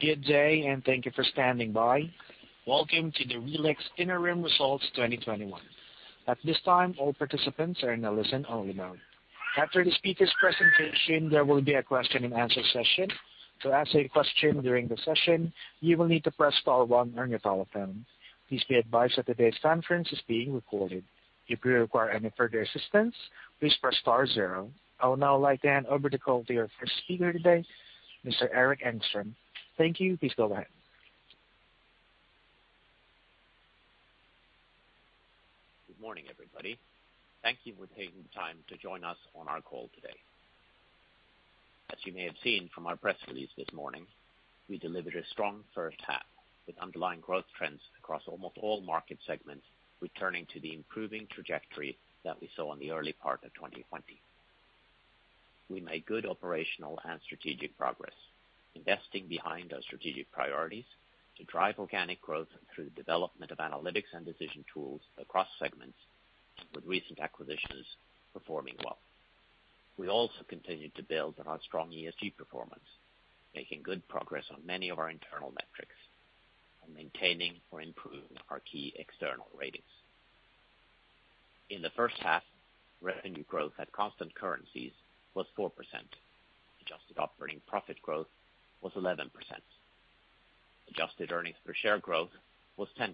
Good day, and thank you for standing by. Welcome to the RELX Interim Results 2021. At this time, all participants are in a listen-only mode. After the speaker's presentation, there will be a question and answer session. To ask a question during the session, you will need to press star, one on your telephone. Please be advised that today's conference is being recorded. If you require any further assistance, please press star, zero. I would now like to hand over the call to our first speaker today, Mr. Erik Engstrom. Thank you. Please go ahead. Good morning, everybody. Thank you for taking the time to join us on our call today. As you may have seen from our press release this morning, we delivered a strong first half, with underlying growth trends across almost all market segments returning to the improving trajectory that we saw in the early part of 2020. We made good operational and strategic progress, investing behind our strategic priorities to drive organic growth through the development of analytics and decision tools across segments, with recent acquisitions performing well. We also continued to build on our strong ESG performance, making good progress on many of our internal metrics, and maintaining or improving our key external ratings. In the first half, revenue growth at constant currencies was 4%. Adjusted operating profit growth was 11%. Adjusted earnings per share growth was 10%.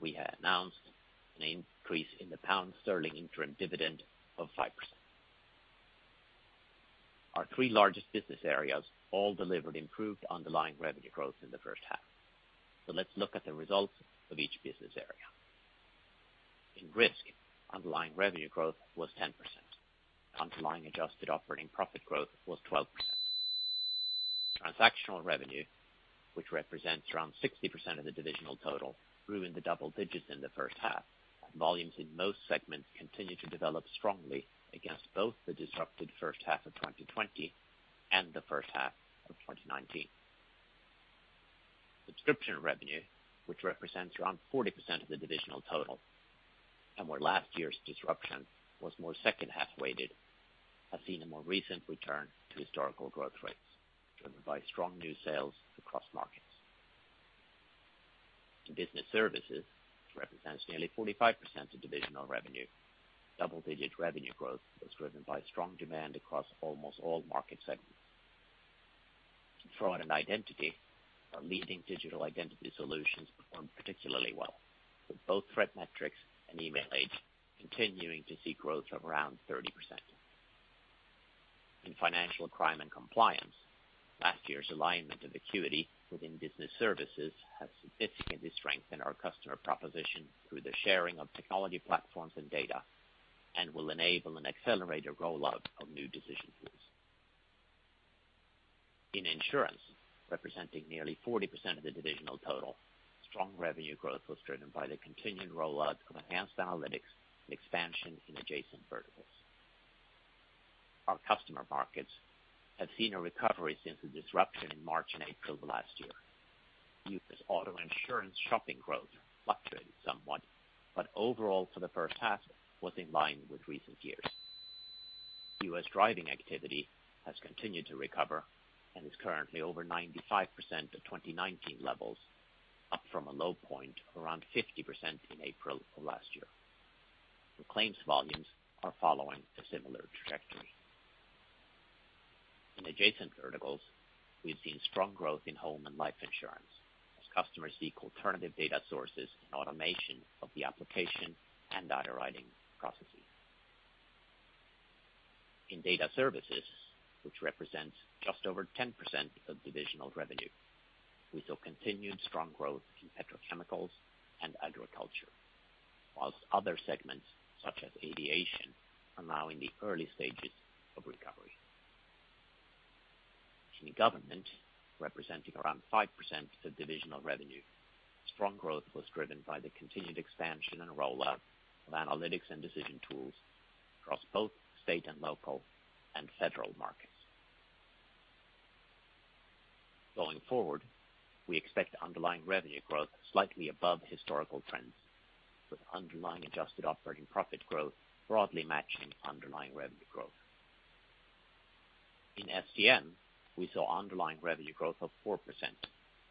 We have announced an increase in the pound sterling interim dividend of 5%. Our three largest business areas all delivered improved underlying revenue growth in the first half. Let's look at the results of each business area. In Risk, underlying revenue growth was 10%. Underlying adjusted operating profit growth was 12%. Transactional revenue, which represents around 60% of the divisional total, grew in the double digits in the first half. Volumes in most segments continued to develop strongly against both the disrupted first half of 2020 and the first half of 2019. Subscription revenue, which represents around 40% of the divisional total, and where last year's disruption was more second-half weighted, has seen a more recent return to historical growth rates, driven by strong new sales across markets. In Business Services, which represents nearly 45% of divisional revenue, double-digit revenue growth was driven by strong demand across almost all market segments. Fraud and Identity, our leading digital identity solutions performed particularly well, with both ThreatMetrix and Emailage continuing to see growth of around 30%. In Financial Crime Compliance, last year's alignment of Accuity within Business Services has significantly strengthened our customer proposition through the sharing of technology platforms and data, and will enable an accelerated rollout of new decision tools. In Insurance, representing nearly 40% of the divisional total, strong revenue growth was driven by the continued rollout of enhanced analytics and expansion in adjacent verticals. Our customer markets have seen a recovery since the disruption in March and April of last year. U.S. auto insurance shopping growth fluctuated somewhat, but overall for the first half was in line with recent years. U.S. driving activity has continued to recover and is currently over 95% of 2019 levels, up from a low point of around 50% in April of last year. Claims volumes are following a similar trajectory. In adjacent verticals, we've seen strong growth in home and life Insurance as customers seek alternative data sources and automation of the application and underwriting processes. In Data Services, which represents just over 10% of divisional revenue, we saw continued strong growth in petrochemicals and agriculture. Whilst other segments, such as aviation, are now in the early stages of recovery. In Government, representing around 5% of divisional revenue, strong growth was driven by the continued expansion and rollout of analytics and decision tools across both state and local and federal markets. Going forward, we expect underlying revenue growth slightly above historical trends, with underlying adjusted operating profit growth broadly matching underlying revenue growth. In STM, we saw underlying revenue growth of 4%,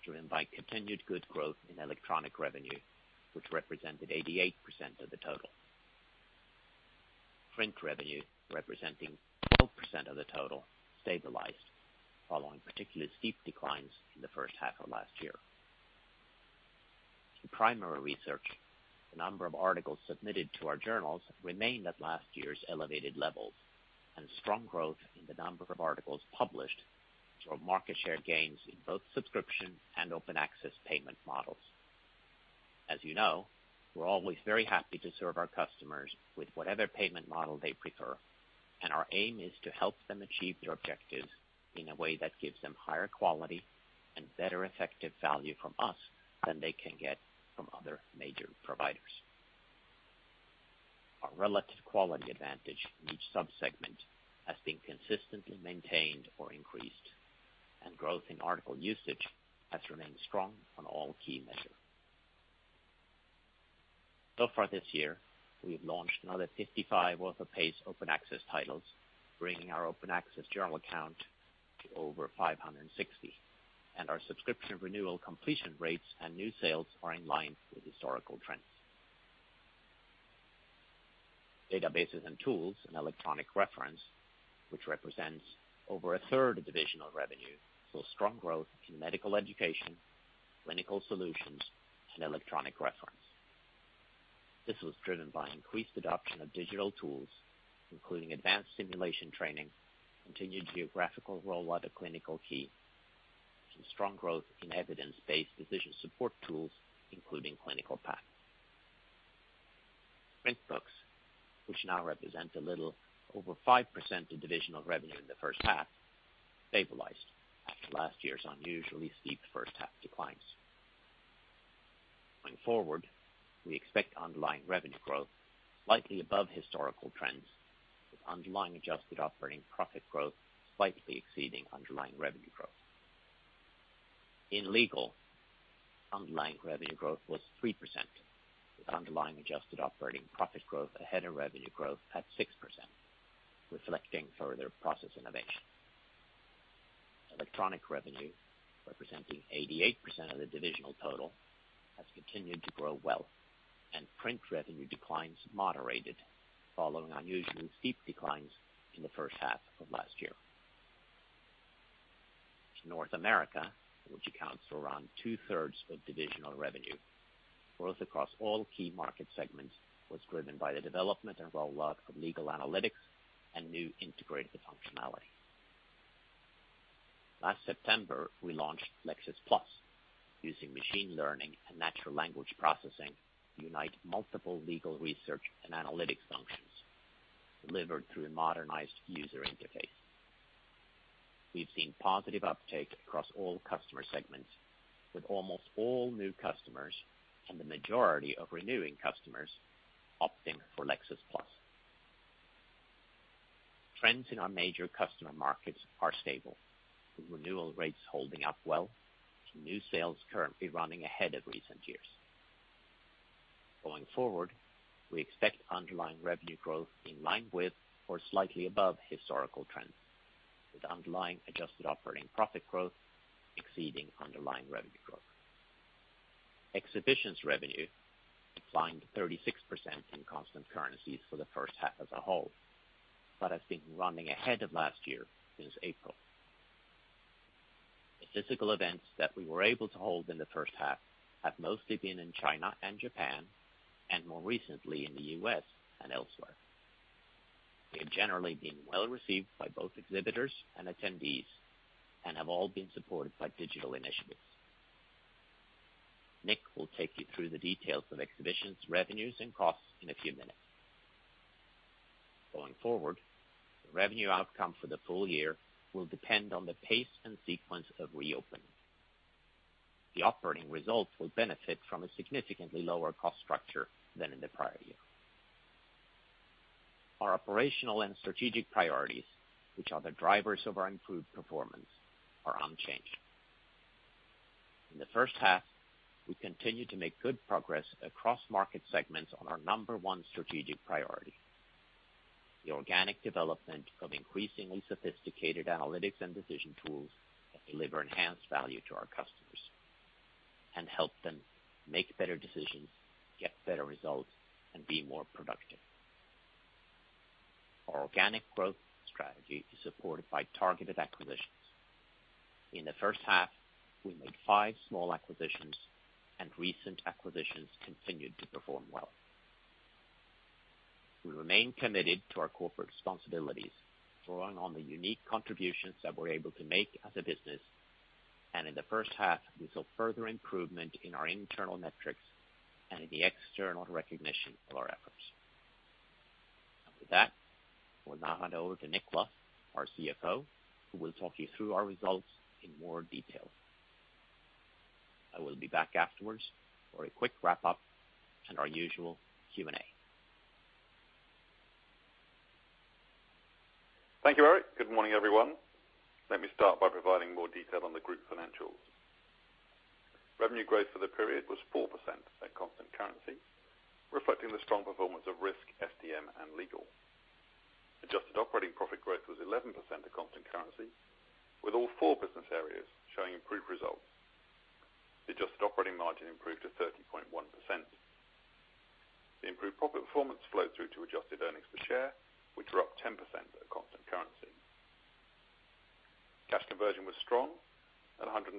driven by continued good growth in electronic revenue, which represented 88% of the total. Print revenue, representing 12% of the total, stabilized following particularly steep declines in the first half of last year. In Primary Research, the number of articles submitted to our journals remained at last year's elevated levels, and strong growth in the number of articles published saw market share gains in both subscription and open access payment models. As you know, we're always very happy to serve our customers with whatever payment model they prefer, and our aim is to help them achieve their objectives in a way that gives them higher quality and better effective value from us than they can get from other major providers. Our relative quality advantage in each sub-segment has been consistently maintained or increased, growth in article usage has remained strong on all key metrics. Far this year, we've launched another 55 author-paced open access titles, bringing our open access journal account to over 560. Our subscription renewal completion rates and new sales are in line with historical trends. Databases and tools and electronic reference, which represents over a third of divisional revenue, saw strong growth in medical education, clinical solutions, and electronic reference. This was driven by increased adoption of digital tools, including advanced simulation training, continued geographical roll out of ClinicalKey, and strong growth in evidence-based decision support tools, including ClinicalPath. Print books, which now represent a little over 5% of divisional revenue in the first half, stabilized after last year's unusually steep first half declines. Going forward, we expect underlying revenue growth likely above historical trends, with underlying adjusted operating profit growth slightly exceeding underlying revenue growth. In Legal, underlying revenue growth was 3%, with underlying adjusted operating profit growth ahead of revenue growth at 6%, reflecting further process innovation. Electronic revenue, representing 88% of the divisional total, has continued to grow well, and print revenue declines moderated following unusually steep declines in the first half of last year. North America, which accounts for around two-thirds of divisional revenue. Growth across all key market segments was driven by the development and rollout of legal analytics and new integrated functionality. Last September, we launched Lexis+, using machine learning and natural language processing to unite multiple legal research and analytics functions delivered through a modernized user interface. We've seen positive uptake across all customer segments, with almost all new customers and the majority of renewing customers opting for Lexis+. Trends in our major customer markets are stable, with renewal rates holding up well. New sales currently running ahead of recent years. Going forward, we expect underlying revenue growth in line with or slightly above historical trends, with underlying adjusted operating profit growth exceeding underlying revenue growth. Exhibitions revenue declined 36% in constant currencies for the first half as a whole, but has been running ahead of last year since April. The physical events that we were able to hold in the first half have mostly been in China and Japan, and more recently in the U.S. and elsewhere. They have generally been well received by both exhibitors and attendees and have all been supported by digital initiatives. Nick will take you through the details of Exhibitions revenues and costs in a few minutes. Going forward, the revenue outcome for the full year will depend on the pace and sequence of reopening. The operating results will benefit from a significantly lower cost structure than in the prior year. Our operational and strategic priorities, which are the drivers of our improved performance, are unchanged. In the first half, we continued to make good progress across market segments on our number one strategic priority. The organic development of increasingly sophisticated analytics and decision tools that deliver enhanced value to our customers and help them make better decisions, get better results, and be more productive. Our organic growth strategy is supported by targeted acquisitions. In the first half, we made five small acquisitions, and recent acquisitions continued to perform well. We remain committed to our corporate responsibilities, drawing on the unique contributions that we're able to make as a business. In the first half, we saw further improvement in our internal metrics and in the external recognition of our efforts. After that, I will now hand over to Nick Luff, our CFO, who will talk you through our results in more detail. I will be back afterwards for a quick wrap-up and our usual Q&A. Thank you, Erik. Good morning, everyone. Let me start by providing more detail on the group financials. Revenue growth for the period was 4% at constant currency, reflecting the strong performance of Risk, STM, and Legal. Adjusted operating profit growth was 11% at constant currency, with all four business areas showing improved results. The adjusted operating margin improved to 30.1%. The improved profit performance flowed through to adjusted earnings per share, which were up 10% at constant currency. Cash conversion was strong at 112%,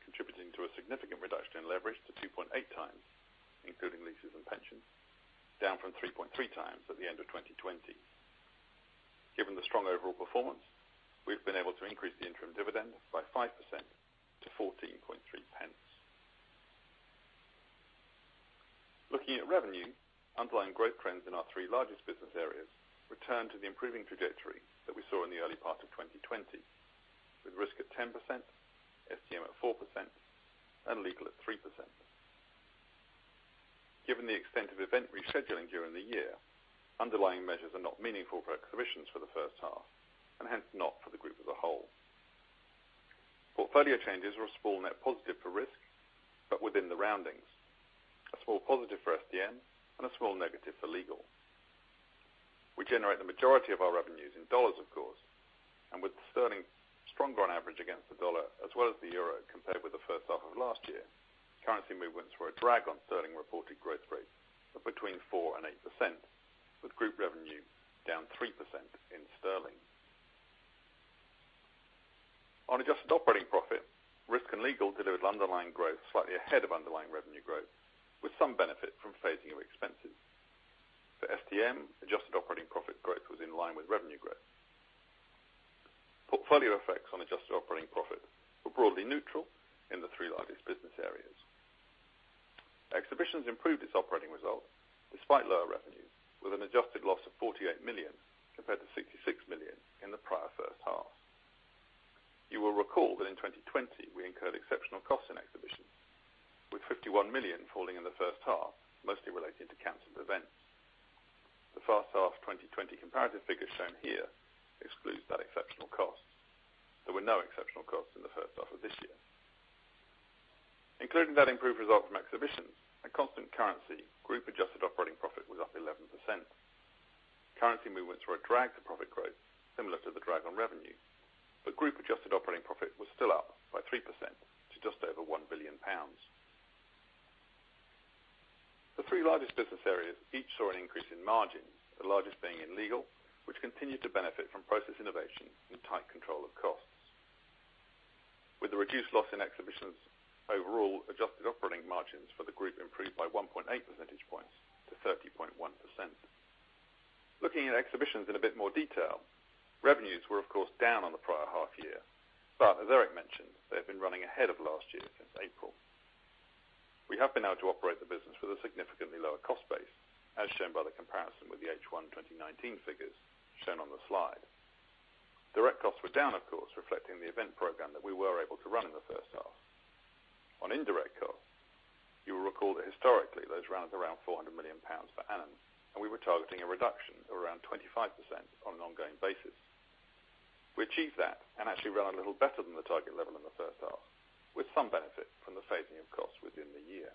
contributing to a significant reduction in leverage to 2.8x, including leases and pensions, down from 3.3x at the end of 2020. Given the strong overall performance, we've been able to increase the interim dividend by 5% to GBP 0.143. Looking at revenue, underlying growth trends in our three largest business areas returned to the improving trajectory that we saw in the early part of 2020, with Risk at 10%, STM at 4%, and legal at 3%. Given the extent of event rescheduling during the year, underlying measures are not meaningful for Exhibitions for the first half, and hence not for the group as a whole. Portfolio changes were a small net positive for Risk, but within the roundings, a small positive for STM and a small negative for legal. We generate the majority of our revenues in U.S. dollars, of course, with sterling stronger on average against the U.S. dollar as well as the EUR compared with the first half of last year, currency movements were a drag on sterling reported growth rate of between 4%-8%, with group revenue down 3% in GBP. On adjusted operating profit, Risk and Legal delivered underlying growth slightly ahead of underlying revenue growth, with some benefit from phasing of expenses. For STM, adjusted operating profit growth was in line with revenue growth. Portfolio effects on adjusted operating profit were broadly neutral in the three largest business areas. Exhibitions improved its operating result despite lower revenue, with an adjusted loss of 48 million compared to 66 million in the prior first half. You will recall that in 2020, we incurred exceptional costs in exhibitions, with 51 million falling in the first half, mostly related to canceled events. The first half 2020 comparative figures shown here excludes that exceptional cost. There were no exceptional costs in the first half of this year. Including that improved result from exhibitions and constant currency, group adjusted operating profit was up 11%. Currency movements were a drag to profit growth similar to the drag on revenue, but group adjusted operating profit was still up by 3% to just over 1 billion pounds. The three largest business areas each saw an increase in margins, the largest being in Legal, which continued to benefit from process innovation and tight control of costs. With the reduced loss in exhibitions, overall adjusted operating margins for the group improved by 1.8 percentage points to 30.1%. Looking at exhibitions in a bit more detail, revenues were of course down on the prior half year, but as Erik mentioned, they've been running ahead of last year since April. We have been able to operate the business with a significantly lower cost base, as shown by the comparison with the H1 2019 figures shown on the slide. Direct costs were down, of course, reflecting the event program that we were able to run in the first half. On indirect costs, you will recall that historically, those ran at around 400 million pounds per annum, and we were targeting a reduction of around 25% on an ongoing basis. We achieved that and actually ran a little better than the target level in the first half, with some benefit from the phasing of costs within the year.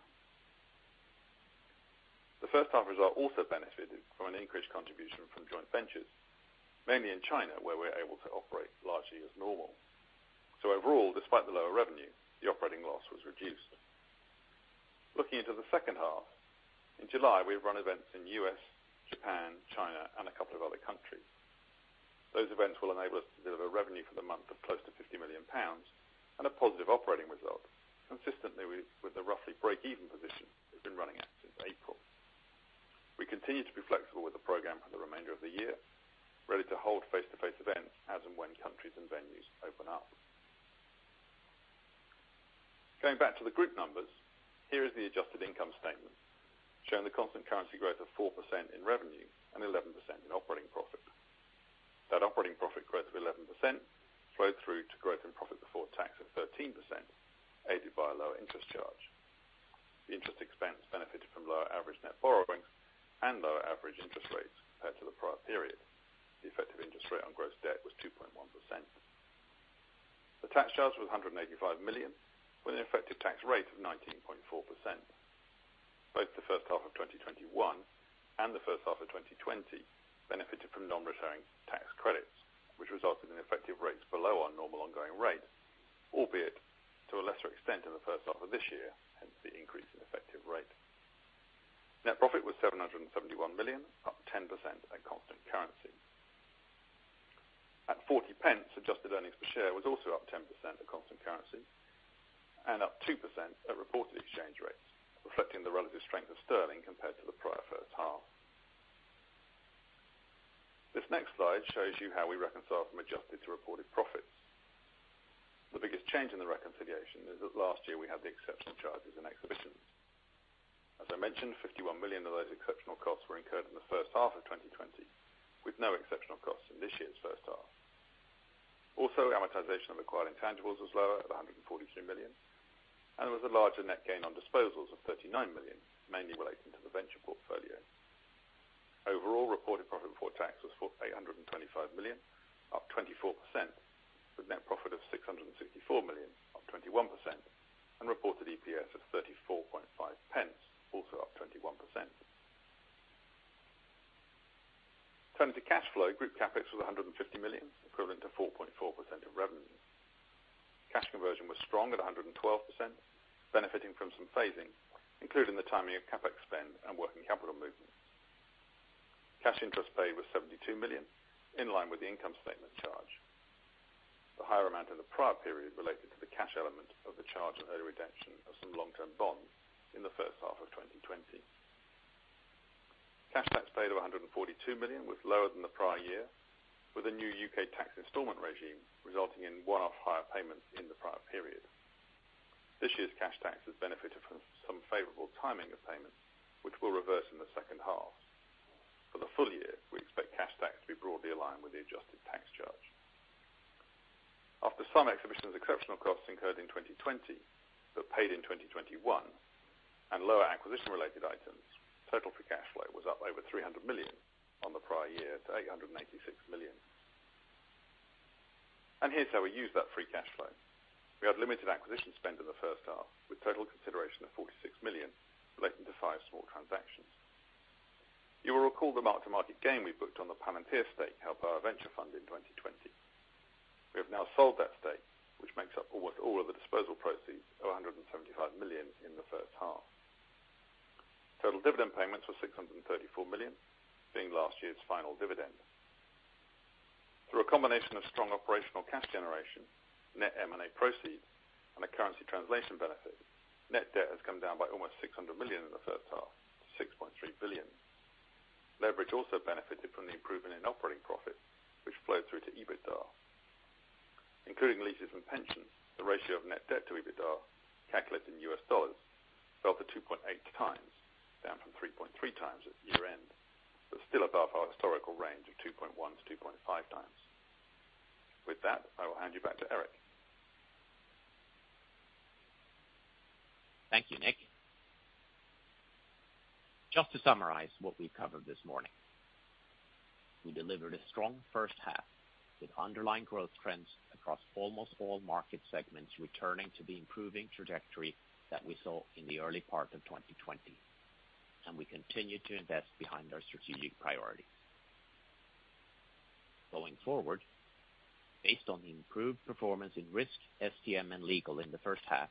The first half result also benefited from an increased contribution from joint ventures, mainly in China, where we're able to operate largely as normal. Overall, despite the lower revenue, the operating loss was reduced. Looking into the second half, in July, we've run events in U.S., Japan, China, and a couple of other countries. Those events will enable us to deliver revenue for the month of close to 50 million pounds and a positive operating result, consistently with the roughly break-even position we've been running at since April. We continue to be flexible with the program for the remainder of the year, ready to hold face-to-face events as and when countries and venues open up. Going back to the group numbers, here is the adjusted income statement showing the constant currency growth of 4% in revenue and 11% in operating profit. That operating profit growth of 11% flowed through to growth in profit before tax of 13%, aided by a lower interest charge. The interest expense benefited from lower average net borrowings and lower average interest rates compared to the prior period. The effective interest rate on gross debt was 2.1%. The tax charge was 185 million, with an effective tax rate of 19.4%. Both the first half of 2021 and the first half of 2020 benefited from non-recurring tax credits, which resulted in effective rates below our normal ongoing rate, albeit to a lesser extent in the first half of this year, hence the increase in effective rate. Net profit was GBP 771 million, up 10% at constant currency. At GBP 0.40, adjusted earnings per share was also up 10% at constant currency and up 2% at reported exchange rates, reflecting the relative strength of sterling compared to the prior first half. This next slide shows you how we reconcile from adjusted to reported profits. The biggest change in the reconciliation is that last year we had the exceptional charges and Exhibitions. As I mentioned, 51 million of those exceptional costs were incurred in the first half of 2020, with no exceptional costs in this year's first half. Amortization of acquired intangibles was lower at 142 million, and there was a larger net gain on disposals of 39 million, mainly relating to the venture portfolio. Overall, reported profit before tax was 825 million, up 24%, with net profit of 664 million, up 21%, and reported EPS of 0.345, also up 21%. Turning to cash flow, group CapEx was 150 million, equivalent to 4.4% of revenue. Cash conversion was strong at 112%, benefiting from some phasing, including the timing of CapEx spend and working capital movements. Cash interest paid was GBP 72 million, in line with the income statement charge. The higher amount in the prior period related to the cash element of the charge on early redemption of some long-term bonds in the first half of 2020. Cash tax paid of 142 million was lower than the prior year, with a new U.K. tax installment regime resulting in one-off higher payments in the prior period. This year's cash tax has benefited from some favorable timing of payments, which will reverse in the second half. For the full year, we expect cash tax to be broadly in line with the adjusted tax charge. After some Exhibitions exceptional costs incurred in 2020 but paid in 2021, and lower acquisition-related items, total free cash flow was up over 300 million on the prior year to 886 million. Here's how we used that free cash flow. We had limited acquisition spend in the first half, with total consideration of 46 million relating to five small transactions. You will recall the mark to market gain we booked on the Palantir stake held by our venture fund in 2020. We have now sold that stake, which makes up almost all of the disposal proceeds of 175 million in the first half. Total dividend payments were 634 million, being last year's final dividend. Through a combination of strong operational cash generation, net M&A proceeds, and a currency translation benefit, net debt has come down by almost 600 million in the first half to 6.3 billion. Leverage also benefited from the improvement in operating profit, which flowed through to EBITDA. Including leases and pensions, the ratio of net debt to EBITDA, calculated in US dollars, fell to 2.8x, down from 3.3x at year-end, but still above our historical range of 2.1x-2.5x. With that, I will hand you back to Erik. Thank you, Nick. Just to summarize what we've covered this morning. We delivered a strong first half with underlying growth trends across almost all market segments, returning to the improving trajectory that we saw in the early part of 2020. We continue to invest behind our strategic priority. Going forward, based on the improved performance in Risk, STM, and Legal in the first half,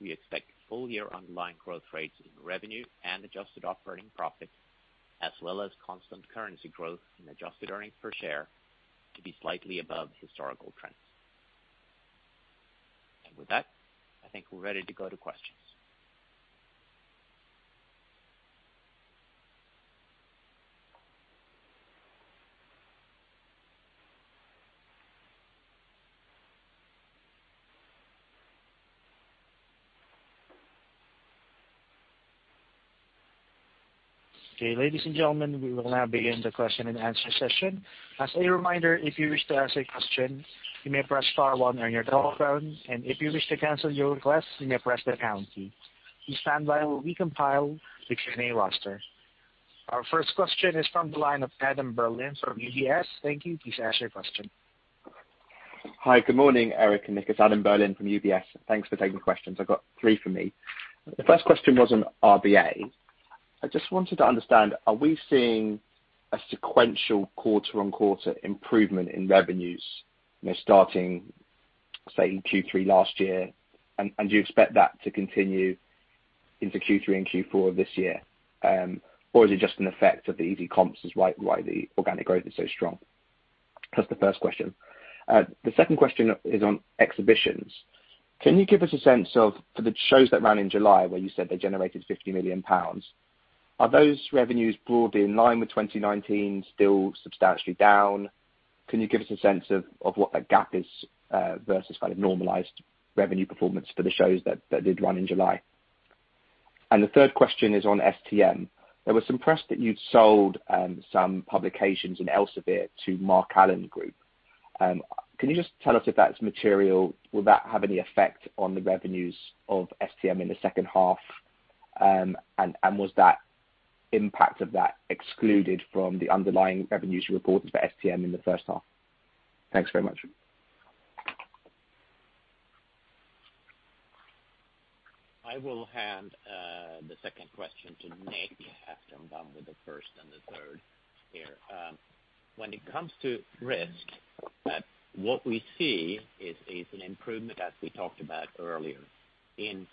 we expect full-year underlying growth rates in revenue and adjusted operating profit, as well as constant currency growth in adjusted EPS to be slightly above historical trends. With that, I think we're ready to go to questions. Okay. Ladies and gentlemen, we will now begin the question and answer session. As a reminder, if you wish to ask a question, you may press star one on your telephone, and if you wish to cancel your request, you may press the pound key. Please stand by while we compile the Q&A roster. Our first question is from the line of Adam Berlin from UBS. Thank you. Please ask your question. Hi. Good morning, Erik and Nick. It's Adam Berlin from UBS. Thanks for taking questions. I've got three from me. The first question was on RBA. I just wanted to understand, are we seeing a sequential quarter-on-quarter improvement in revenues starting, say, in Q3 last year, and do you expect that to continue into Q3 and Q4 of this year? Or is it just an effect of the easy comps is why the organic growth is so strong? That's the first question. The second question is on Exhibitions. Can you give us a sense of, for the shows that ran in July where you said they generated 50 million pounds, are those revenues broadly in line with 2019, still substantially down? Can you give us a sense of what that gap is versus kind of normalized revenue performance for the shows that did run in July? The third question is on STM. There was some press that you'd sold some publications in Elsevier to Mark Allen Group. Can you just tell us if that's material? Will that have any effect on the revenues of STM in the second half? Was that impact of that excluded from the underlying revenues you reported for STM in the first half? Thanks very much. I will hand the second question to Nick after I'm done with the first and the third here. When it comes to Risk, what we see is an improvement, as we talked about earlier, in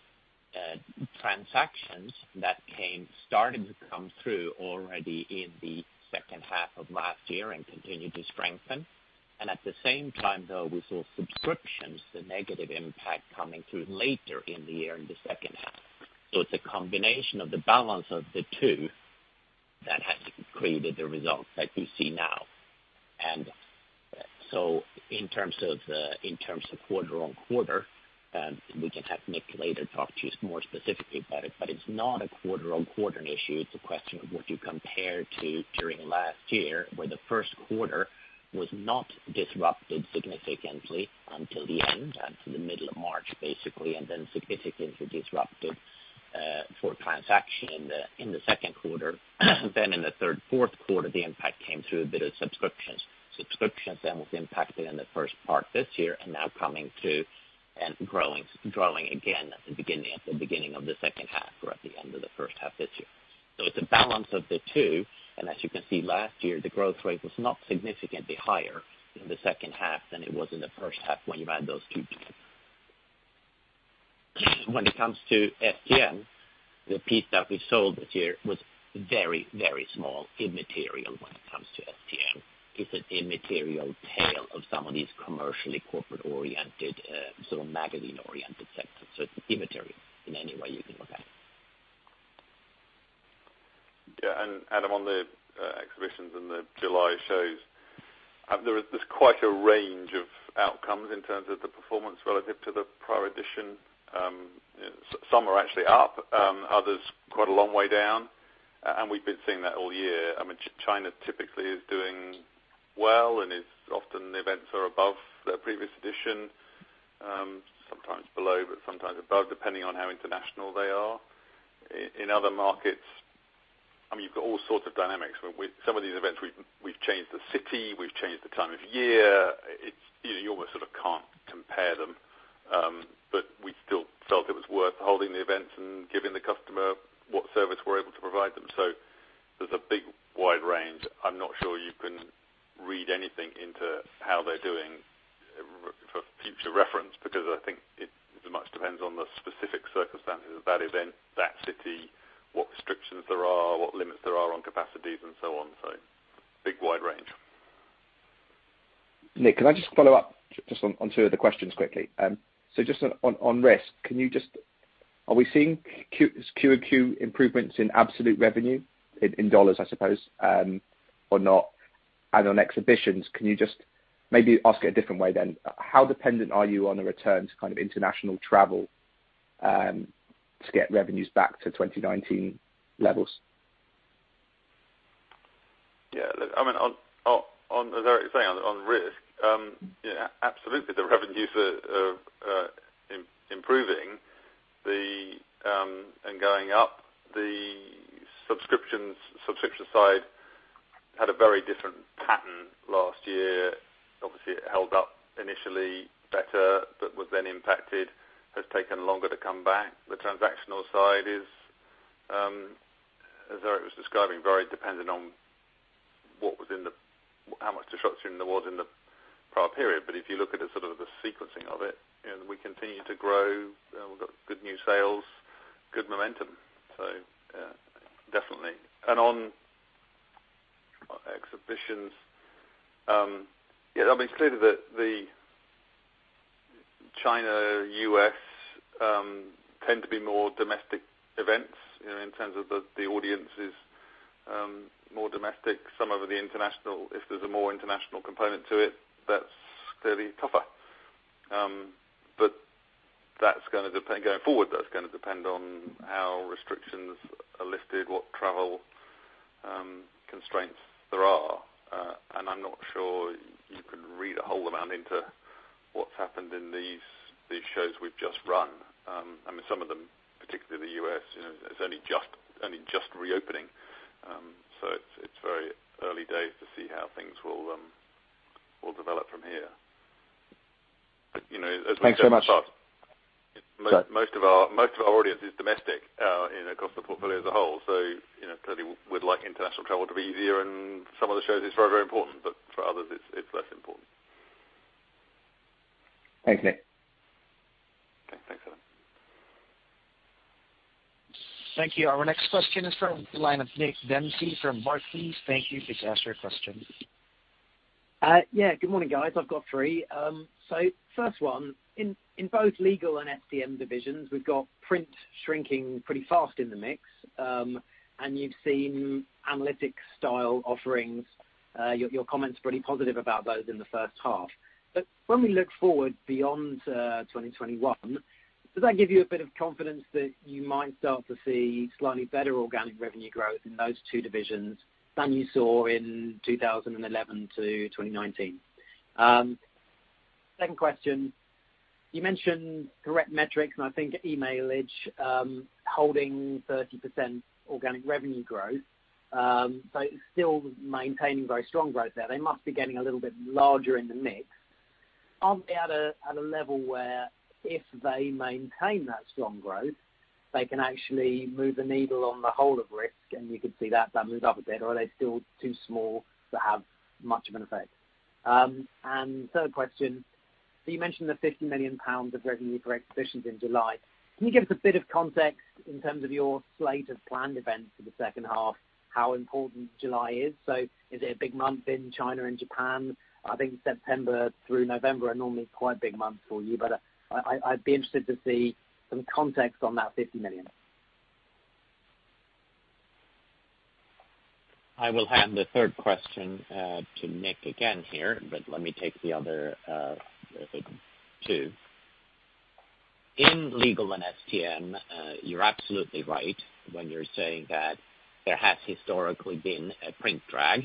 transactions that came starting to come through already in the second half of last year and continue to strengthen. At the same time, though, we saw subscriptions, the negative impact coming through later in the year in the second half. It's a combination of the balance of the two that has created the results that we see now. In terms of quarter on quarter, we can have Nick later talk to you more specifically about it, but it's not a quarter-on-quarter issue. It's a question of what you compare to during last year, where the first quarter was not disrupted significantly until the end, until the middle of March, basically, and then significantly disrupted for transaction in the second quarter. Then in the third, fourth quarter, the impact came through a bit of subscriptions. Subscriptions then was impacted in the first part this year and now coming to and growing again at the beginning of the second half or at the end of the first half this year. It's a balance of the two, and as you can see, last year, the growth rate was not significantly higher in the second half than it was in the first half when you add those two together. When it comes to STM, the piece that we sold this year was very small, immaterial when it comes to STM. It's an immaterial tail of some of these commercially corporate-oriented, sort of magazine-oriented sectors. It's immaterial in any way you can look at it. Yeah. Adam, on the Exhibitions and the July shows, there's quite a range of outcomes in terms of the performance relative to the prior edition. Some are actually up, others quite a long way down. We've been seeing that all year. China typically is doing well and is often the events are above their previous edition, sometimes below, but sometimes above, depending on how international they are. In other markets, you've got all sorts of dynamics where some of these events we've changed the city, we've changed the time of year. You almost sort of can't compare them. We still felt it was worth holding the events and giving the customer what service we're able to provide them. There's a big, wide range. I'm not sure you can read anything into how they're doing for future reference, because I think it much depends on the specific circumstances of that event, that city, what restrictions there are, what limits there are on capacities and so on. Big wide range. Nick, can I just follow up just on two other questions quickly? Just on Risk, are we seeing Q over Q improvements in absolute revenue, in dollars, I suppose, or not? On Exhibitions, can you just maybe ask it a different way, then? How dependent are you on a return to kind of international travel to get revenues back to 2019 levels? Yeah. As Erik was saying, on Risk, absolutely the revenues are improving and going up. The subscription side had a very different pattern last year. Obviously, it held up initially better, was then impacted, has taken longer to come back. The transactional side is, as Erik was describing, very dependent on how much disruption there was in the prior period. If you look at the sort of the sequencing of it, we continue to grow. We've got good new sales, good momentum. Yeah, definitely. On Exhibitions, it's clear that the China, U.S. tend to be more domestic events in terms of the audience is more domestic. Some of the international, if there's a more international component to it, that's clearly tougher. Going forward, that's going to depend on how restrictions are lifted, what travel constraints there are. I'm not sure you can read a whole amount into what's happened in these shows we've just run. Some of them, particularly the U.S., it's only just reopening. It's very early days to see how things will develop from here. Thanks so much. As we said at the start, most of our audience is domestic across the portfolio as a whole. Clearly we'd like international travel to be easier and some of the shows it's very important, but for others it's less important. Thanks, Nick. Okay. Thanks, Adam. Thank you. Our next question is from the line of Nick Dempsey from Barclays. Thank you. Please ask your question. Good morning, guys. I've got three. First one, in both Legal and STM divisions, we've got print shrinking pretty fast in the mix. You've seen analytics style offerings, your comments are pretty positive about those in the first half. When we look forward beyond 2021, does that give you a bit of confidence that you might start to see slightly better organic revenue growth in those two divisions than you saw in 2011-2019? Second question, Erik, you mentioned ThreatMetrix and I think Emailage holding 30% organic revenue growth. It's still maintaining very strong growth there. They must be getting a little bit larger in the mix. Aren't they at a level where if they maintain that strong growth, they can actually move the needle on the whole of Risk, and you could see that moved up a bit, or are they still too small to have much of an effect? Third question, you mentioned the 50 million pounds of revenue for Exhibitions in July. Can you give us a bit of context in terms of your slate of planned events for the second half, how important July is? Is it a big month in China and Japan? I think September through November are normally quite big months for you, but I'd be interested to see some context on that 50 million. I will hand the third question to Nick again here, but let me take the other two. In Legal and STM, you're absolutely right when you're saying that there has historically been a print drag.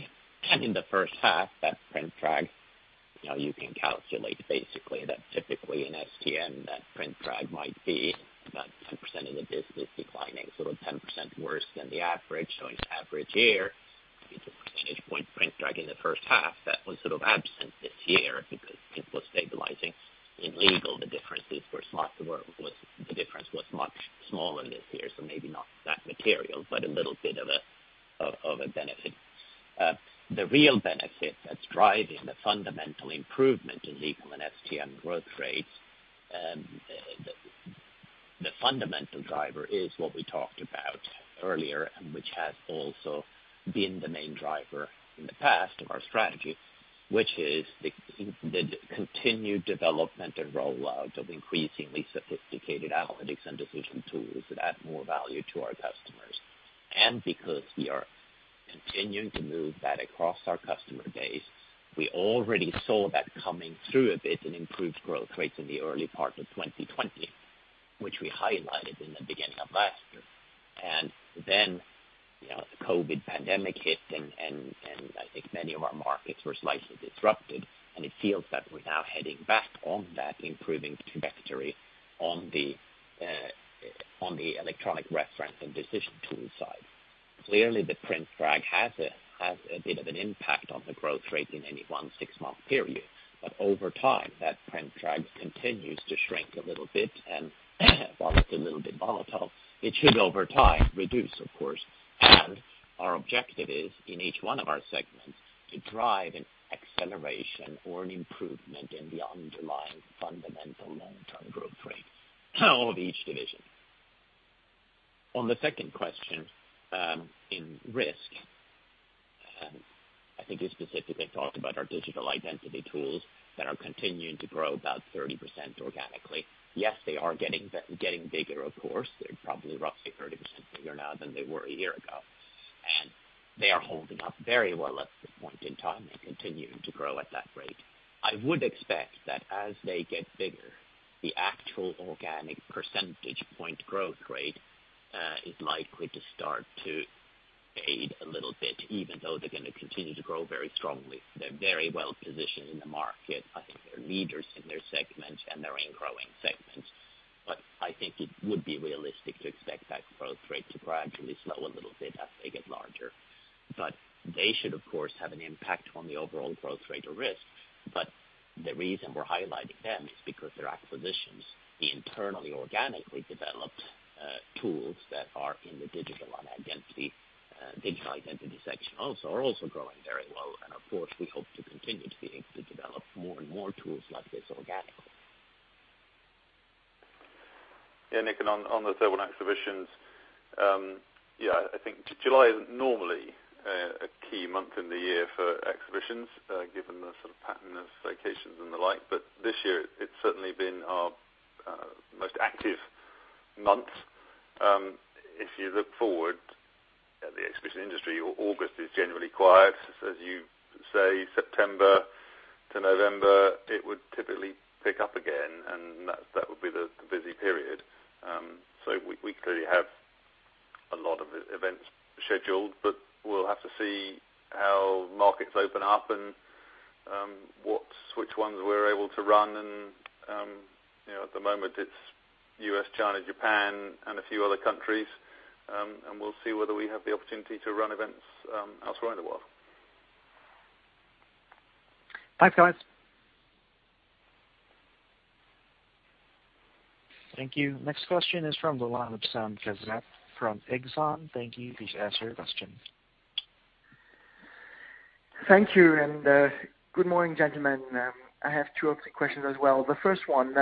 In the first half, that print drag, you can calculate basically that typically in STM, that print drag might be about 10% of the business declining, so the 10% worse than the average. In an average year, maybe two percentage point print drag in the first half that was sort of absent this year because print was stabilizing. In Legal, the difference was much smaller this year, so maybe not that material, but a little bit of a benefit. The real benefit that is driving the fundamental improvement in Legal and STM growth rates, the fundamental driver is what we talked about earlier, which has also been the main driver in the past of our strategy, which is the continued development and rollout of increasingly sophisticated analytics and decision tools that add more value to our customers. Because we are continuing to move that across our customer base. We already saw that coming through a bit in improved growth rates in the early part of 2020, which we highlighted in the beginning of last year. The COVID pandemic hit, and I think many of our markets were slightly disrupted, and it feels that we're now heading back on that improving trajectory on the electronic reference and decision tool side. The print drag has a bit of an impact on the growth rate in any 1 6-month period. Over time, that print drag continues to shrink a little bit, and while it's a little bit volatile, it should over time reduce, of course. Our objective is, in each one of our segments, to drive an acceleration or an improvement in the underlying fundamental long-term growth rate of each division. On the second question, in Risk, I think you specifically talked about our digital identity tools that are continuing to grow about 30% organically. Yes, they are getting bigger, of course. They're probably roughly 30% bigger now than they were a year ago. They are holding up very well at this point in time and continuing to grow at that rate. I would expect that as they get bigger, the actual organic percentage point growth rate is likely to start to fade a little bit, even though they're going to continue to grow very strongly. They're very well-positioned in the market. I think they're leaders in their segment and they're in growing segments. I think it would be realistic to expect that growth rate to gradually slow a little bit as they get larger. They should, of course, have an impact on the overall growth rate of Risk. The reason we're highlighting them is because they're acquisitions, the internally organically developed tools that are in the digital identity section are also growing very well. Of course, we hope to continue to be able to develop more and more tools like this organically. Nick, on the third one, Exhibitions. I think July is normally a key month in the year for Exhibitions, given the sort of pattern of vacations and the like, but this year it's certainly been our most active month. If you look forward at the exhibition industry, August is generally quiet. As you say, September to November, it would typically pick up again, and that would be the busy period. We clearly have a lot of events scheduled, but we'll have to see how markets open up and which ones we're able to run and at the moment it's U.S., China, Japan, and a few other countries. We'll see whether we have the opportunity to run events elsewhere in the world. Thanks, guys. Thank you. Next question is from Sami Kassab from Exane. Thank you. Please ask your question. Thank you, good morning, gentlemen. I have two or three questions as well. The first one,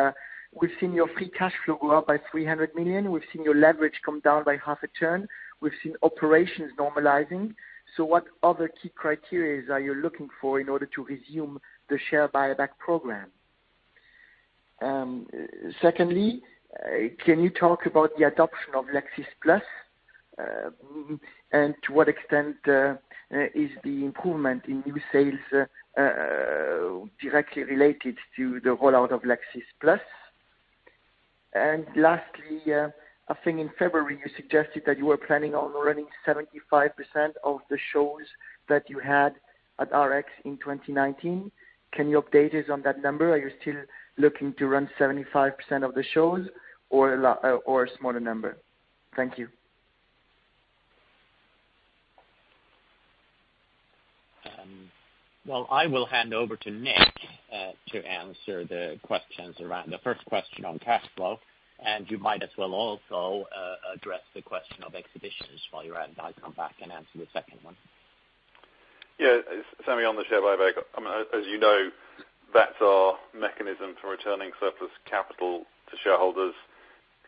we've seen your free cash flow go up by 300 million. We've seen your leverage come down by half a turn. We've seen operations normalizing. What other key criteria are you looking for in order to resume the share buyback program? Secondly, can you talk about the adoption of Lexis+? To what extent is the improvement in new sales directly related to the rollout of Lexis+? Lastly, I think in February you suggested that you were planning on running 75% of the shows that you had at RX in 2019. Can you update us on that number? Are you still looking to run 75% of the shows or a smaller number? Thank you. Well, I will hand over to Nick to answer the questions around the first question on cash flow, and you might as well also address the question of exhibitions while you're at it. I'll come back and answer the second one. Yeah. Sami, on the share buyback. As you know, that's our mechanism for returning surplus capital to shareholders.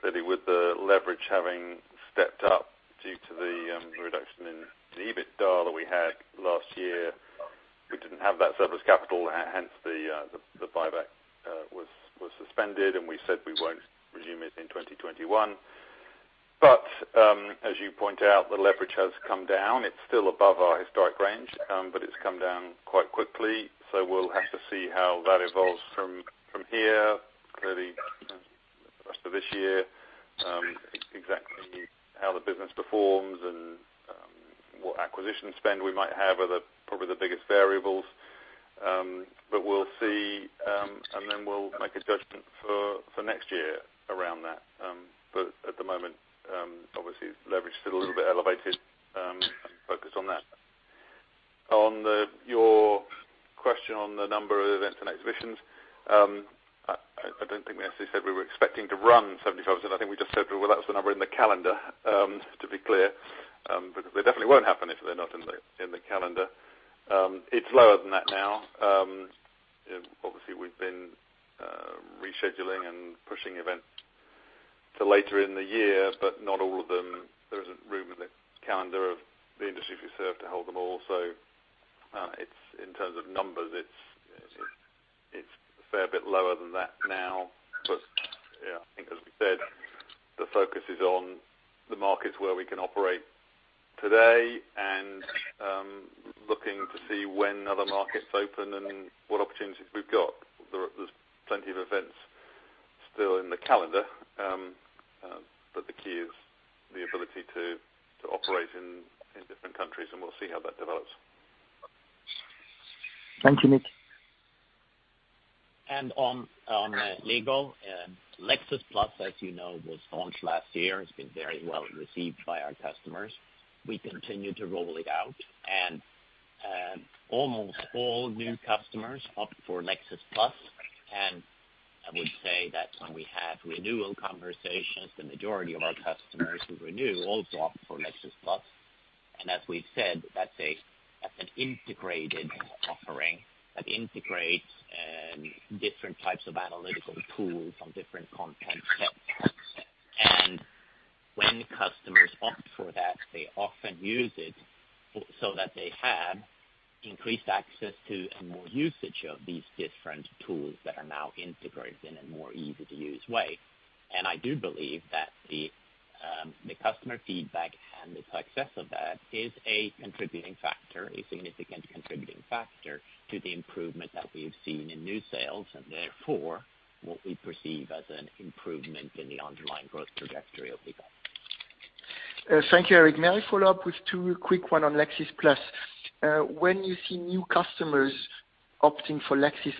Clearly, with the leverage having stepped up due to the reduction in the EBITDA that we had last year, we didn't have that surplus capital. Hence, the buyback was suspended, and we said we won't resume it in 2021. As you point out, the leverage has come down. It's still above our historic range, but it's come down quite quickly. We'll have to see how that evolves from here. Clearly, the rest of this year exactly how the business performs and what acquisition spend we might have are probably the biggest variables. We'll see, and then we'll make a judgment for next year around that. At the moment, obviously leverage is still a little bit elevated. Focus on that. On your question on the number of events and exhibitions, I don't think we necessarily said we were expecting to run 75%. I think we just said, well, that's the number in the calendar, to be clear. They definitely won't happen if they're not in the calendar. It's lower than that now. Obviously, we've been rescheduling and pushing events to later in the year, but not all of them. There isn't room in the calendar of the industry we serve to hold them all. In terms of numbers, it's fair bit lower than that now. Yeah, I think as we said, the focus is on the markets where we can operate today and looking to see when other markets open and what opportunities we've got. There's plenty of events still in the calendar. The key is the ability to operate in different countries, and we'll see how that develops. Thank you, Nick. On Legal, Lexis+, as you know, was launched last year. It's been very well received by our customers. We continue to roll it out and almost all new customers opt for Lexis+. I would say that when we have renewal conversations, the majority of our customers who renew also opt for Lexis+. As we've said, that's an integrated offering that integrates different types of analytical tools on different content sets. When customers opt for that, they often use it so that they have increased access to and more usage of these different tools that are now integrated in a more easy-to-use way. I do believe that the customer feedback and the success of that is a contributing factor, a significant contributing factor to the improvement that we've seen in new sales, and therefore what we perceive as an improvement in the underlying growth trajectory of Legal. Thank you, Erik. May I follow up with two quick one on Lexis+? When you see new customers opting for Lexis+,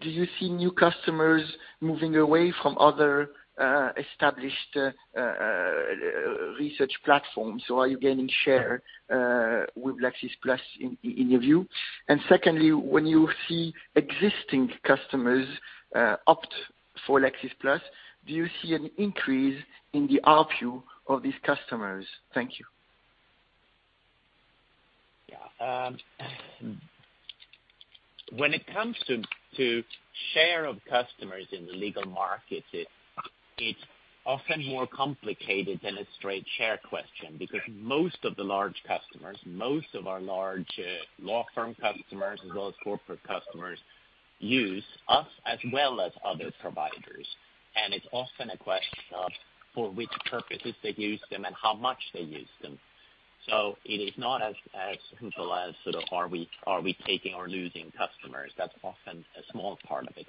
do you see new customers moving away from other established research platforms? Are you gaining share with Lexis+ in your view? Secondly, when you see existing customers opt for Lexis+, do you see an increase in the ARPU of these customers? Thank you. Yeah. When it comes to share of customers in the legal market, it's often more complicated than a straight share question because most of the large customers, most of our large law firm customers as well as corporate customers, use us as well as other providers. It's often a question of for which purposes they use them and how much they use them. It is not as simple as sort of are we taking or losing customers. That's often a small part of it.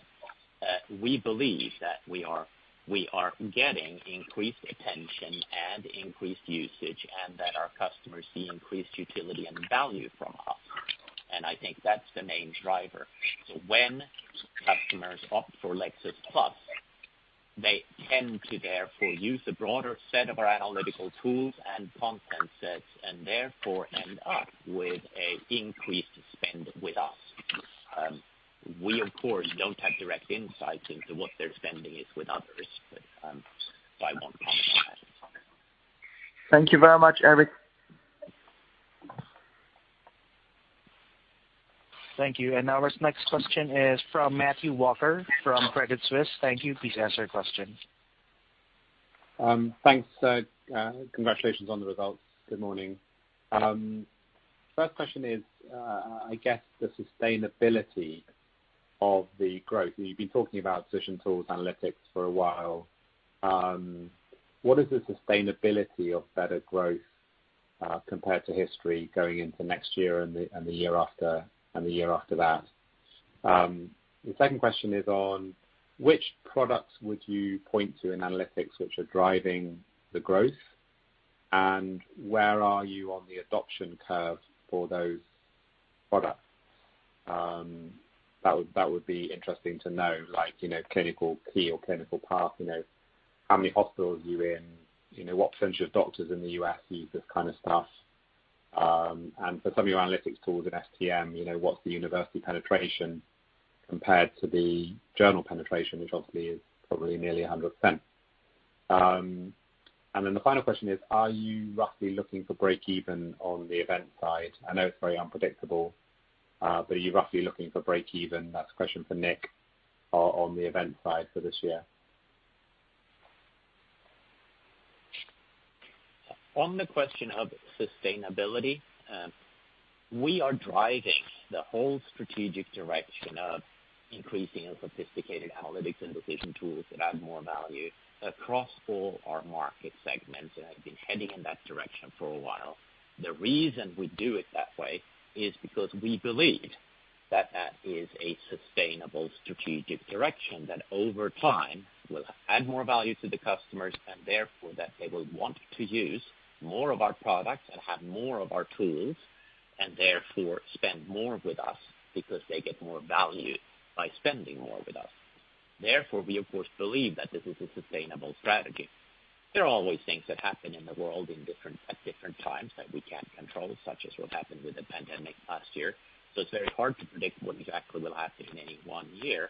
We believe that we are getting increased attention and increased usage, and that our customers see increased utility and value from us. I think that's the main driver. When customers opt for Lexis+, they tend to therefore use a broader set of our analytical tools and content sets, and therefore end up with an increased spend with us. We of course don't have direct insight into what their spending is with others. I won't comment on that at this time. Thank you very much, Erik. Thank you. Our next question is from Matthew Walker from Credit Suisse. Thank you. Please ask your question. Thanks. Congratulations on the results. Good morning. First question is, I guess the sustainability of the growth. You've been talking about decision tools analytics for a while. What is the sustainability of better growth, compared to history going into next year and the year after, and the year after that? The second question is on which products would you point to in analytics which are driving the growth, and where are you on the adoption curve for those products? That would be interesting to know, like ClinicalKey or ClinicalPath, how many hospitals are you in, what percentage of doctors in the U.S. use this kind of stuff. For some of your analytics tools in STM, what's the university penetration compared to the journal penetration, which obviously is probably nearly 100%. The final question is, are you roughly looking for breakeven on the event side? I know it's very unpredictable, but are you roughly looking for breakeven? That's a question for Nick, on the event side for this year. On the question of sustainability, we are driving the whole strategic direction of increasing our sophisticated analytics and decision tools that add more value across all our market segments, and have been heading in that direction for a while. The reason we do it that way is because we believe that that is a sustainable strategic direction that over time will add more value to the customers, and therefore, that they will want to use more of our products and have more of our tools, and therefore spend more with us because they get more value by spending more with us. We of course believe that this is a sustainable strategy. There are always things that happen in the world at different times that we can't control, such as what happened with the pandemic last year. It's very hard to predict what exactly will happen in any one year.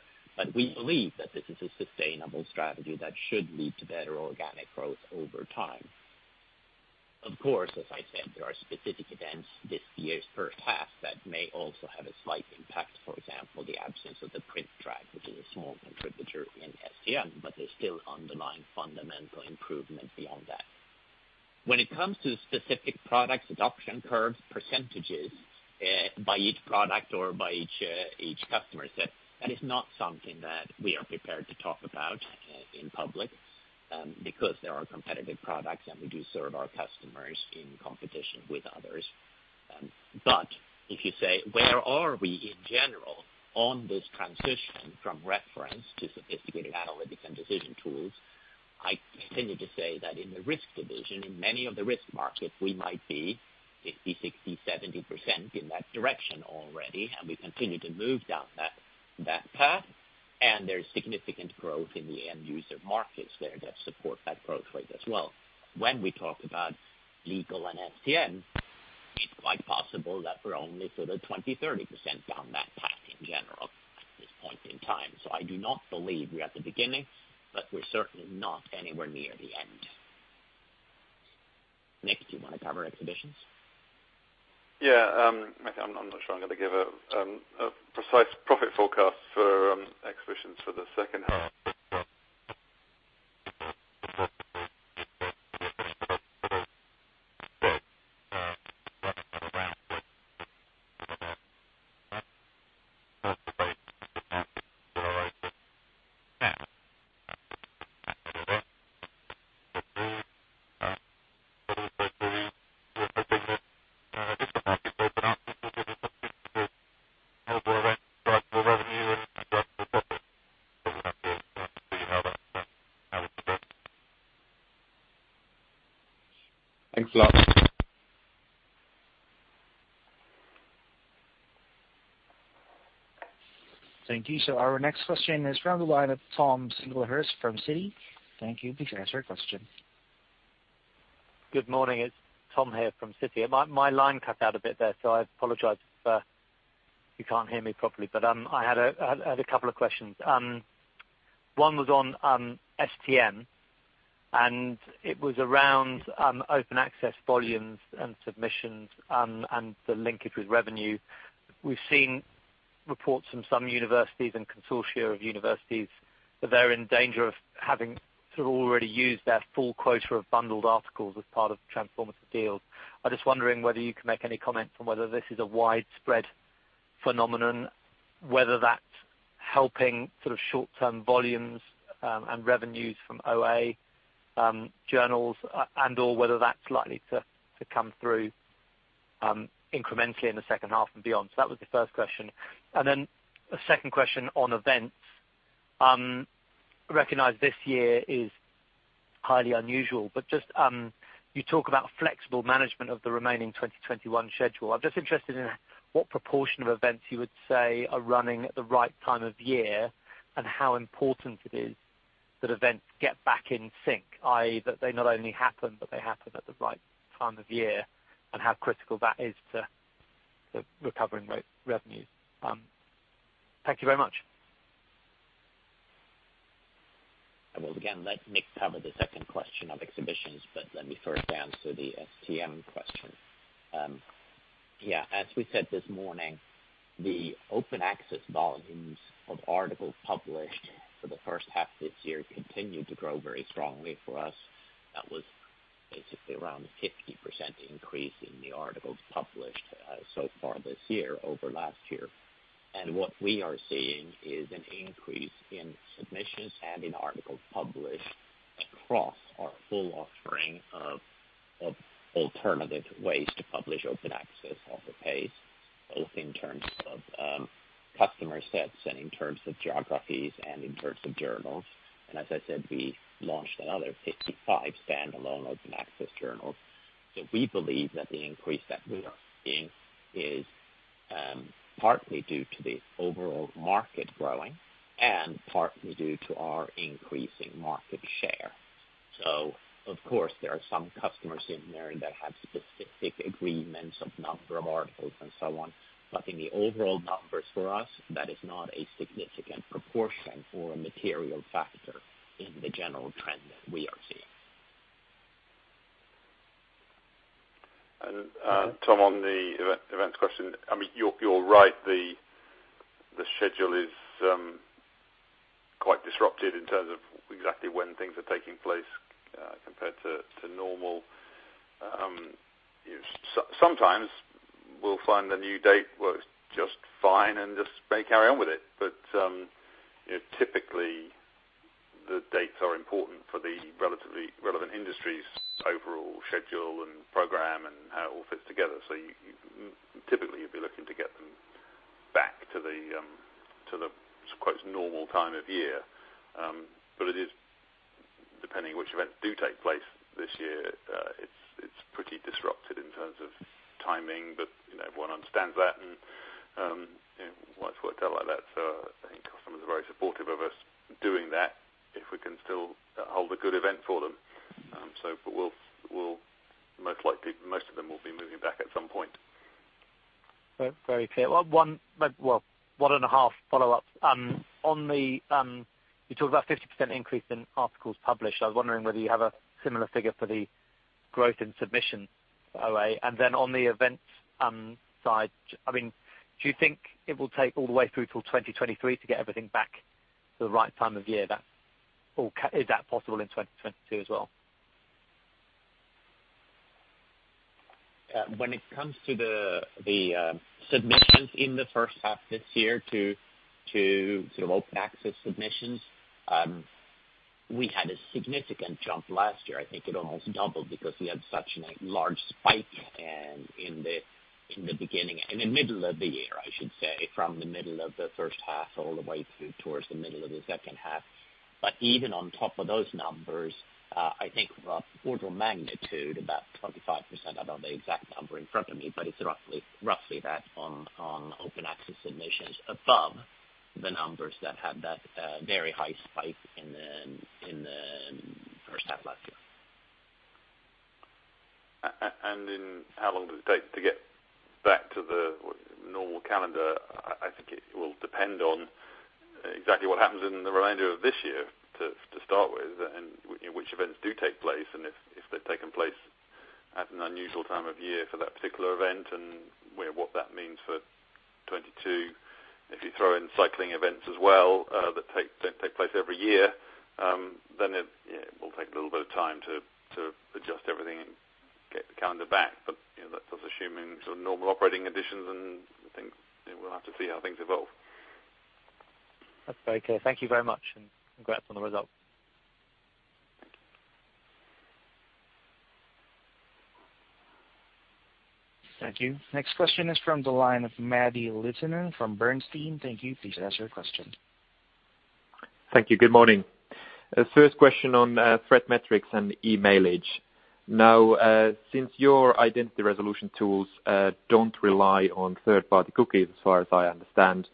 We believe that this is a sustainable strategy that should lead to better organic growth over time. Of course, as I said, there are specific events this year's first half that may also have a slight impact. For example, the absence of the print track, which is a small contributor in STM, but there's still underlying fundamental improvement beyond that. When it comes to specific product adoption curves, percentages by each product or by each customer set, that is not something that we are prepared to talk about in public, because there are competitive products and we do serve our customers in competition with others. If you say, where are we, in general, on this transition from reference to sophisticated analytics and decision tools, I continue to say that in the Risk division, in many of the Risk markets, we might be 50%, 60%, 70% in that direction already, and we continue to move down that path. There's significant growth in the end-user markets there that support that growth rate as well. When we talk about Legal and STM, it's quite possible that we're only sort of 20%, 30% down that path in general at this point in time. I do not believe we're at the beginning, but we're certainly not anywhere near the end. Nick, do you want to cover Exhibitions? Yeah. I'm not sure I'm going to give a precise profit forecast for Exhibitions for the second half. Thanks a lot. Thank you. Our next question is from the line of Tom Singlehurst from Citi. Thank you. Good morning. It's Tom here from Citi. My line cut out a bit there, so I apologize if you can't hear me properly. I had two questions. One was on STM, and it was around open access volumes and submissions, and the linkage with revenue. We've seen reports from some universities and consortia of universities that they're in danger of having sort of already used their full quota of bundled articles as part of transformative deals. I'm just wondering whether you can make any comment on whether this is a widespread phenomenon, whether that's helping short-term volumes and revenues from OA journals and/or whether that's likely to come through incrementally in the second half and beyond. That was the 1st question. A second question on events. Recognize this year is highly unusual, just you talk about flexible management of the remaining 2021 schedule. I'm just interested in what proportion of events you would say are running at the right time of year, and how important it is that events get back in sync, i.e., that they not only happen, but they happen at the right time of year, and how critical that is to recovering those revenues? Thank you very much. I will again let Nick cover the second question of Exhibitions, but let me first answer the STM question. Yeah, as we said this morning, the open access volumes of articles published for the first half of this year continued to grow very strongly for us. That was basically around a 50% increase in the articles published so far this year over last year. What we are seeing is an increase in submissions and in articles published across our full offering of alternative ways to publish open access author pays, both in terms of customer sets and in terms of geographies and in terms of journals. As I said, we launched another 55 standalone open access journals. We believe that the increase that we are seeing is partly due to the overall market growing and partly due to our increasing market share. Of course, there are some customers in there that have specific agreements of number of articles and so on, but in the overall numbers for us, that is not a significant proportion or a material factor in the general trend that we are seeing. Tom, on the events question, you're right, the schedule is quite disrupted in terms of exactly when things are taking place compared to normal. Sometimes we'll find a new date works just fine and just may carry on with it. Typically, the dates are important for the relevant industry's overall schedule and program and how it all fits together. Typically, you'd be looking to get them back to the "normal time of year." It is depending on which events do take place this year. It's pretty disrupted in terms of timing, but everyone understands that and life worked out like that. I think customers are very supportive of us doing that if we can still hold a good event for them. Most of them will be moving back at some point. Very clear. Well, 1.5 follow-ups. You talked about a 50% increase in articles published. I was wondering whether you have a similar figure for the growth in submissions for OA. On the events side, do you think it will take all the way through till 2023 to get everything back, the right time of year? Is that possible in 2022 as well? When it comes to the submissions in the first half this year to open access submissions, we had a significant jump last year. I think it almost doubled because we had such a large spike in the middle of the year, from the middle of the first half all the way through towards the middle of the second half. Even on top of those numbers, I think from an order of magnitude, about 25%, I don't have the exact number in front of me, but it's roughly that on open access submissions above the numbers that had that very high spike in the first half last year. How long does it take to get back to the normal calendar? I think it will depend on exactly what happens in the remainder of this year to start with, and which events do take place, and if they've taken place at an unusual time of year for that particular event, and what that means for 2022. If you throw in cycling events as well, that don't take place every year, then it will take a little bit of time to adjust everything and get the calendar back. That's assuming normal operating conditions and we'll have to see how things evolve. That's very clear. Thank you very much, and congrats on the results. Thank you. Next question is from the line of Matti Littunen from Bernstein. Thank you. Please ask your question. Thank you. Good morning. First question on ThreatMetrix and Emailage. Since your identity resolution tools don't rely on third-party cookies, as far as I understand,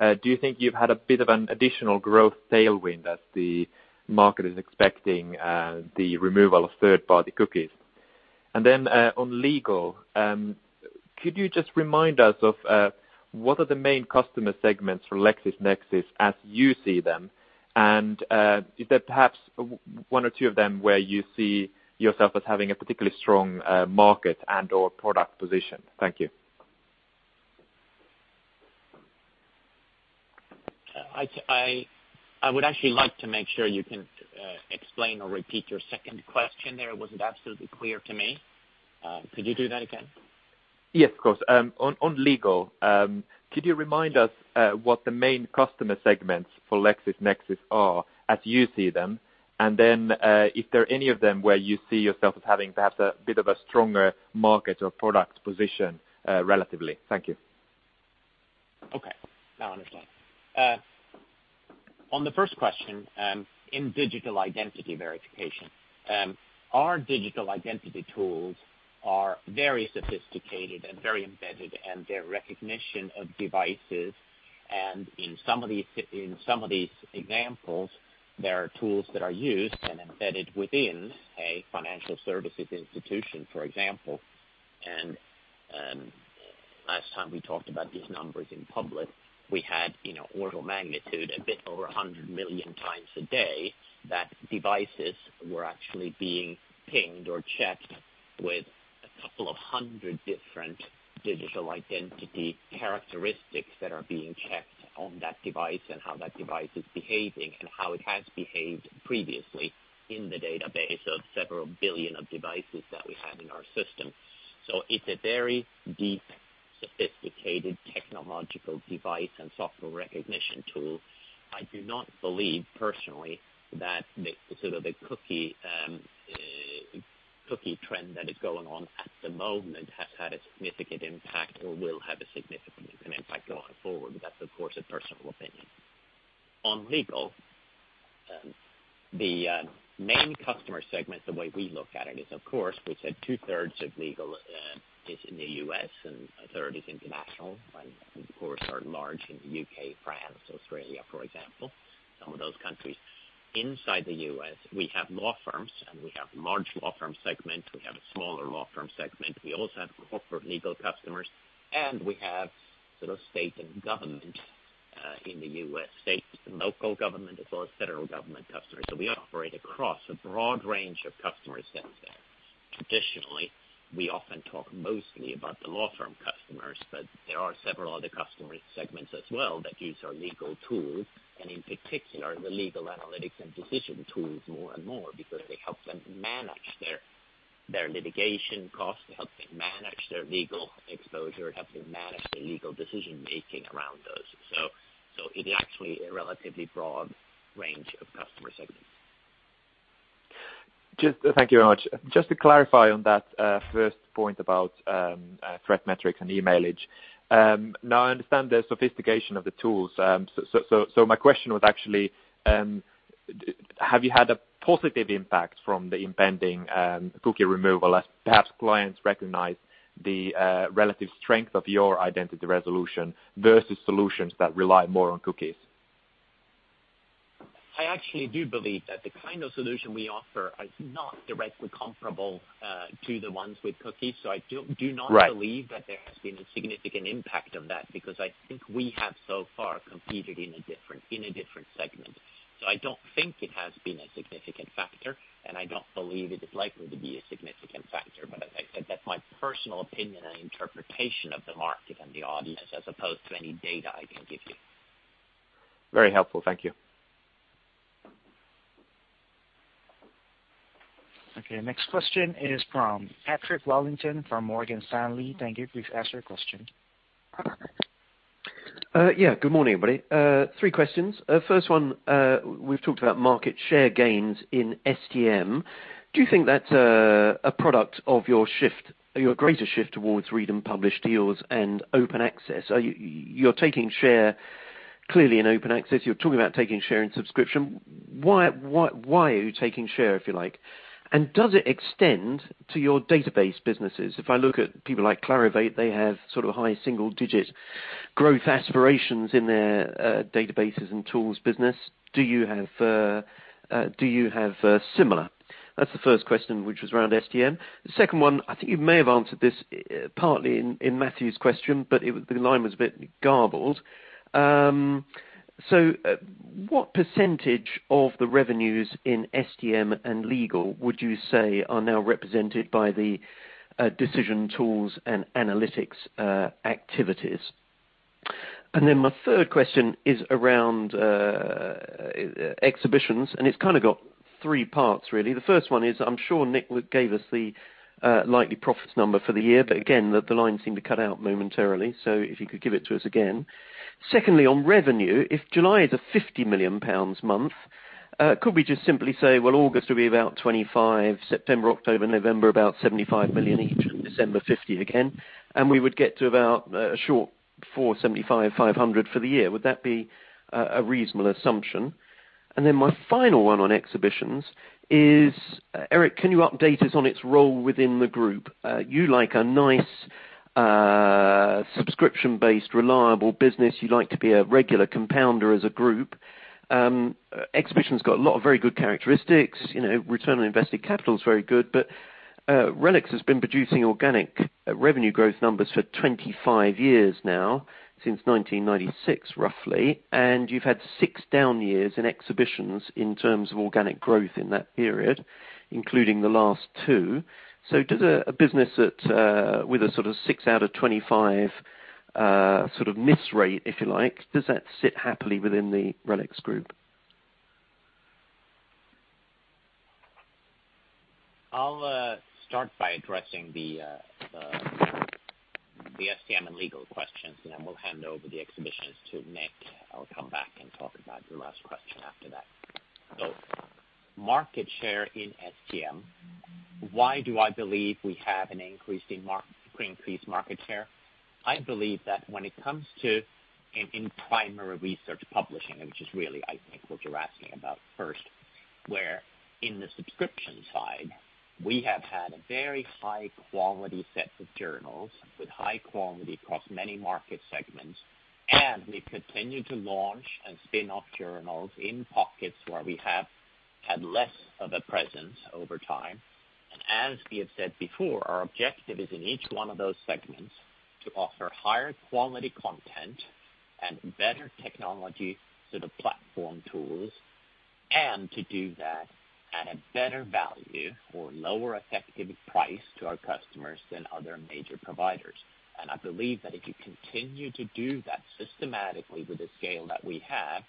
do you think you've had a bit of an additional growth tailwind as the market is expecting the removal of third-party cookies? On legal, could you just remind us of what are the main customer segments for LexisNexis as you see them? Is there perhaps one or two of them where you see yourself as having a particularly strong market and/or product position? Thank you. I would actually like to make sure you can explain or repeat your second question there. It wasn't absolutely clear to me. Could you do that again? Yes, of course. On legal, could you remind us what the main customer segments for LexisNexis are as you see them, and if there are any of them where you see yourself as having perhaps a bit of a stronger market or product position relatively? Thank you. Okay. Now I understand. On the first question, in digital identity verification, our digital identity tools are very sophisticated and very embedded in their recognition of devices. Last time we talked about these numbers in public, we had order of magnitude, a bit over 100 million times a day that devices were actually being pinged or checked with a couple of hundred different digital identity characteristics that are being checked on that device and how that device is behaving and how it has behaved previously in the database of several billion devices that we have in our system. It's a very deep, sophisticated technological device and software recognition tool. I do not believe personally, that the cookie trend that is going on at the moment has had a significant impact or will have a significant impact going forward. That's, of course, a personal opinion. On Legal, the main customer segments, the way we look at it is, of course, we said two-thirds of Legal is in the U.S. and a third is international, and of course, are large in the U.K., France, Australia, for example, some of those countries. Inside the U.S., we have law firms, we have large law firm segments. We have a smaller law firm segment. We also have corporate legal customers, we have state and government in the U.S., state and local government as well as federal government customers. We operate across a broad range of customer segments there. Traditionally, we often talk mostly about the law firm customers, but there are several other customer segments as well that use our legal tools, and in particular, the legal analytics and decision tools more and more because they help them manage their litigation costs, they help them manage their legal exposure, help them manage their legal decision-making around those. It is actually a relatively broad range of customer segments. Thank you very much. Just to clarify on that first point about ThreatMetrix and Emailage. I understand the sophistication of the tools. My question was actually, have you had a positive impact from the impending cookie removal as perhaps clients recognize the relative strength of your identity resolution versus solutions that rely more on cookies? I actually do believe that the kind of solution we offer is not directly comparable to the ones with cookies. Right Believe that there has been a significant impact on that because I think we have so far competed in a different segment. I don't think it has been a significant factor, and I don't believe it is likely to be a significant factor. That's my personal opinion and interpretation of the market and the audience as opposed to any data I can give you. Very helpful. Thank you. Okay, next question is from Patrick Wellington from Morgan Stanley. Thank you. Please ask your question. Yeah, good morning, everybody. Three questions. First one, we've talked about market share gains in STM. Do you think that's a product of your greater shift towards read and publish deals and open access? You're taking share clearly in open access. You're talking about taking share in subscription. Why are you taking share, if you like? Does it extend to your database businesses? If I look at people like Clarivate, they have sort of high single-digit growth aspirations in their databases and tools business. Do you have similar? That's the first question, which was around STM. The second one, I think you may have answered this partly in Matthew's question, but the line was a bit garbled. What percentage of the revenues in STM and legal would you say are now represented by the decision tools and analytics activities? Then my three parts question is around Exhibitions, and it's kind of got three parts, really. The first one is, I'm sure Nick gave us the likely profits number for the year, but again, the line seemed to cut out momentarily, so if you could give it to us again. Secondly, on revenue, if July is a 50 million pounds month, could we just simply say, well, August will be about 25 million, September, October, November, about 75 million each, December 50 million again, and we would get to about a short 475 million-500 million for the year. Would that be a reasonable assumption? Then my final one on Exhibitions is, Erik, can you update us on its role within the group? You like a nice subscription-based, reliable business. You like to be a regular compounder as a group. Exhibitions's got a lot of very good characteristics. Return on invested capital is very good. RELX has been producing organic revenue growth numbers for 25 years now, since 1996, roughly. You've had six down years in Exhibitions in terms of organic growth in that period, including the last six. Does a business with a six out of 25 miss rate, if you like, does that sit happily within the RELX group? I'll start by addressing the STM and legal questions, and then we'll hand over the Exhibitions to Nick. I'll come back and talk about your last question after that. Market share in STM, why do I believe we have an increased market share? I believe that when it comes to primary research publishing, which is really, I think, what you're asking about first, where in the subscription side, we have had a very high quality set of journals with high quality across many market segments, and we've continued to launch and spin off journals in pockets where we have had less of a presence over time. As we have said before, our objective is in each one of those segments to offer higher quality content and better technology, so the platform tools, and to do that at a better value or lower effective price to our customers than other major providers. I believe that if you continue to do that systematically with the scale that we have,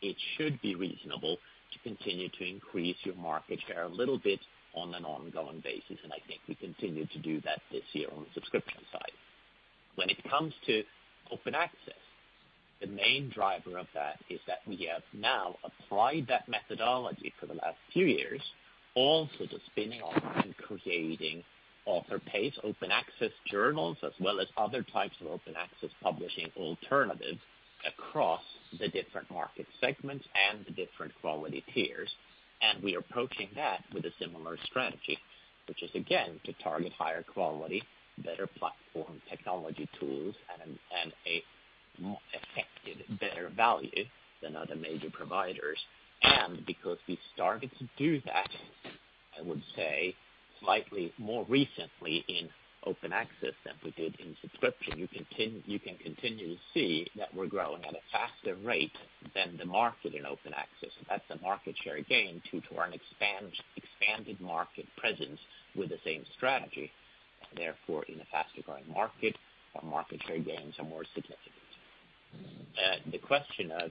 it should be reasonable to continue to increase your market share a little bit on an ongoing basis. I think we continue to do that this year on the subscription side. When it comes to open access, the main driver of that is that we have now applied that methodology for the last few years, also to spinning off and creating author-paid open access journals, as well as other types of open access publishing alternatives across the different market segments and the different quality tiers. We are approaching that with a similar strategy, which is again, to target higher quality, better platform technology tools, and a more effective, better value than other major providers. Because we started to do that, I would say, slightly more recently in open access than we did in subscription, you can continue to see that we're growing at a faster rate than the market in open access. That's a market share gain due to our expanded market presence with the same strategy. Therefore, in a faster-growing market, our market share gains are more significant. The question of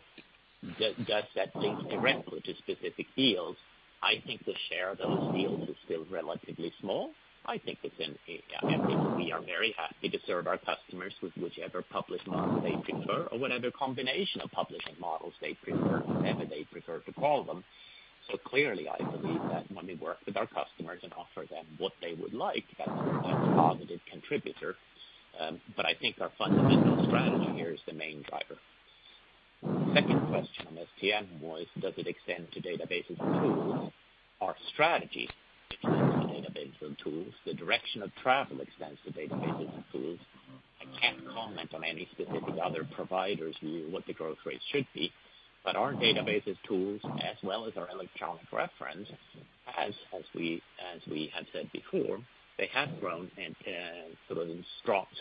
does that link directly to specific deals? I think the share those deals is still relatively small. I think we are very happy to serve our customers with whichever publishing model they prefer or whatever combination of publishing models they prefer, whatever they prefer to call them. Clearly, I believe that when we work with our customers and offer them what they would like, that's a positive contributor. I think our fundamental strategy here is the main driver. Second question on STM was, does it extend to databases and tools? Our strategy extends to databases and tools. The direction of travel extends to databases and tools. I can't comment on any specific other providers view what the growth rate should be. Our databases tools as well as our electronic reference, as we had said before, they have grown in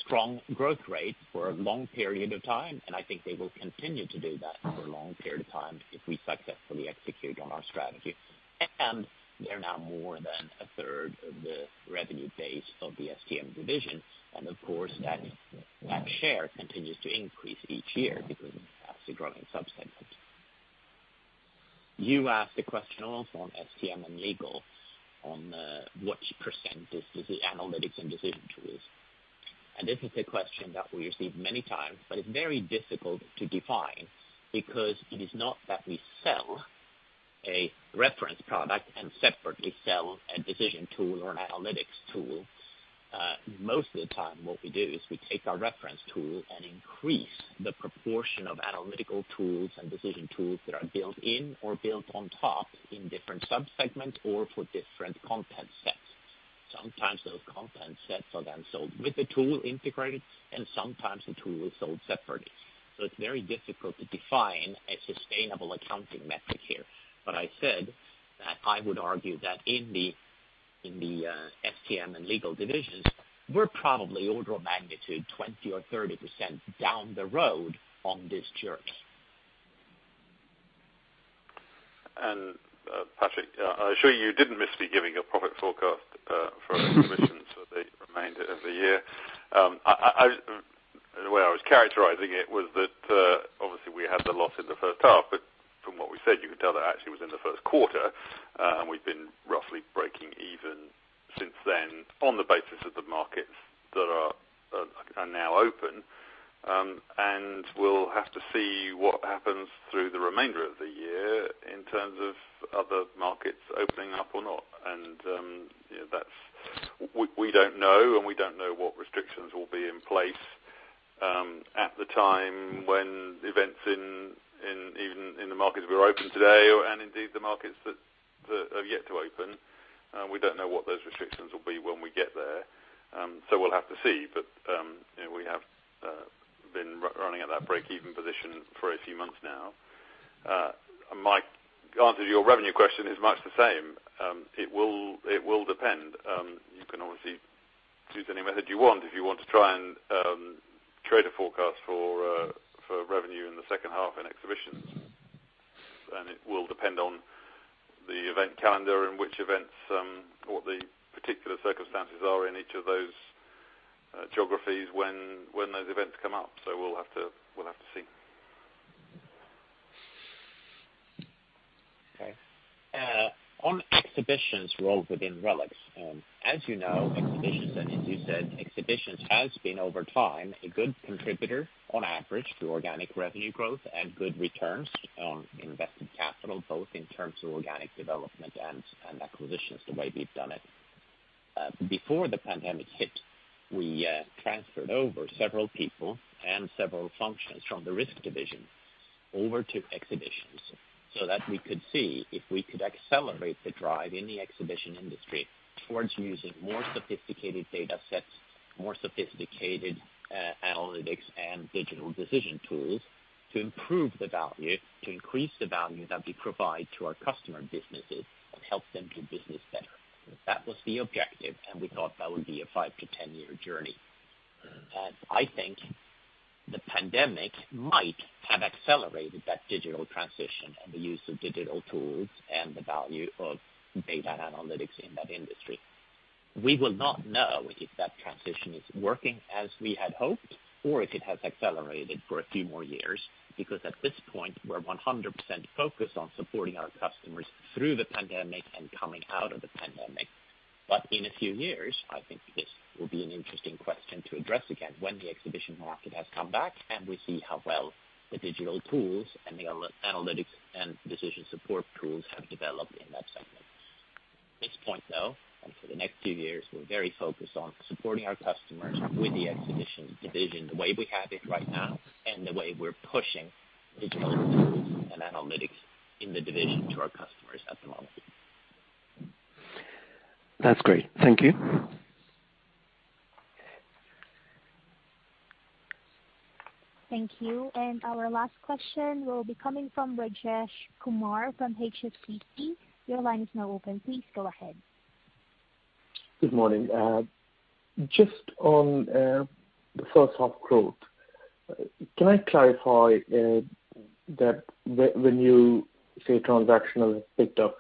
strong growth rate for a long period of time, and I think they will continue to do that for a long period of time if we successfully execute on our strategy. They're now more than 1/3 of the revenue base of the STM division, and of course, that share continues to increase each year because of the growing sub-segments. You asked a question also on STM and legal on what percentage is the analytics and decision tools. This is a question that we receive many times, but it's very difficult to define because it is not that we sell a reference product and separately sell a decision tool or an analytics tool. Most of the time what we do is we take our reference tool and increase the proportion of analytical tools and decision tools that are built in or built on top in different sub-segments or for different content sets. Sometimes those content sets are then sold with the tool integrated, and sometimes the tool is sold separately. It's very difficult to define a sustainable accounting metric here. I said that I would argue that in the STM and legal divisions, we're probably order of magnitude 20% or 30% down the road on this journey. Patrick, I assure you didn't miss me giving a profit forecast for Exhibitions for the remainder of the year. The way I was characterizing it was that, obviously we had the loss in the first half, but from what we said, you could tell that actually was in the first quarter. We've been roughly breaking even since then on the basis of the markets that are now open. We'll have to see what happens through the remainder of the year in terms of other markets opening up or not. We don't know, and we don't know what restrictions will be in place at the time when events even in the markets that are open today, and indeed the markets that have yet to open. We don't know what those restrictions will be when we get there. We'll have to see. We have been running at that break-even position for a few months now. My answer to your revenue question is much the same. It will depend. You can obviously choose any method you want if you want to try and create a forecast for revenue in the second half in Exhibitions. It will depend on the event calendar and which events, what the particular circumstances are in each of those geographies when those events come up. We'll have to see. Okay. On Exhibitions role within RELX. As you know, Exhibitions, and as you said, Exhibitions has been, over time, a good contributor on average to organic revenue growth and good returns on invested capital, both in terms of organic development and acquisitions the way we've done it. Before the pandemic hit, we transferred over several people and several functions from the Risk division over to Exhibitions so that we could see if we could accelerate the drive in the Exhibition industry towards using more sophisticated data sets, more sophisticated analytics and digital decision tools to improve the value, to increase the value that we provide to our customer businesses and help them do business better. That was the objective, and we thought that would be a 5-10-year journey. I think the pandemic might have accelerated that digital transition and the use of digital tools and the value of data analytics in that industry. We will not know if that transition is working as we had hoped or if it has accelerated for a few more years, because at this point, we're 100% focused on supporting our customers through the pandemic and coming out of the pandemic. In a few years, I think this will be an interesting question to address again when the Exhibition market has come back and we see how well the digital tools and the analytics and decision support tools have developed in that segment. At this point, though, and for the next few years, we're very focused on supporting our customers with the Exhibitions division the way we have it right now and the way we're pushing digital tools and analytics in the division to our customers at the moment. That's great. Thank you. Thank you. Our last question will be coming from Rajesh Kumar from HSBC. Your line is now open. Please go ahead. Good morning. Just on the first half growth. Can I clarify that when you say transactional has picked up,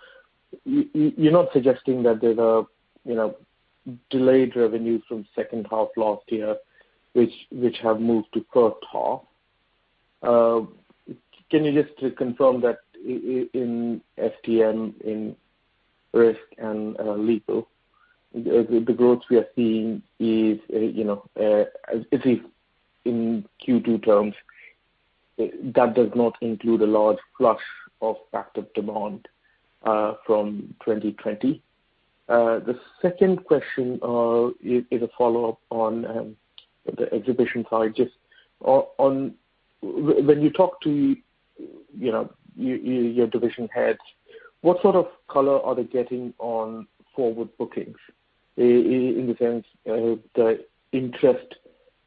you're not suggesting that there's a delayed revenue from second half last year, which have moved to first half? Can you just confirm that in STM, in Risk, and Legal, the growth we are seeing is, in Q2 terms, that does not include a large flush of backed-up demand from 2020? The second question is a follow-up on the Exhibitions side. When you talk to your division heads, what sort of color are they getting on forward bookings, in the sense the interest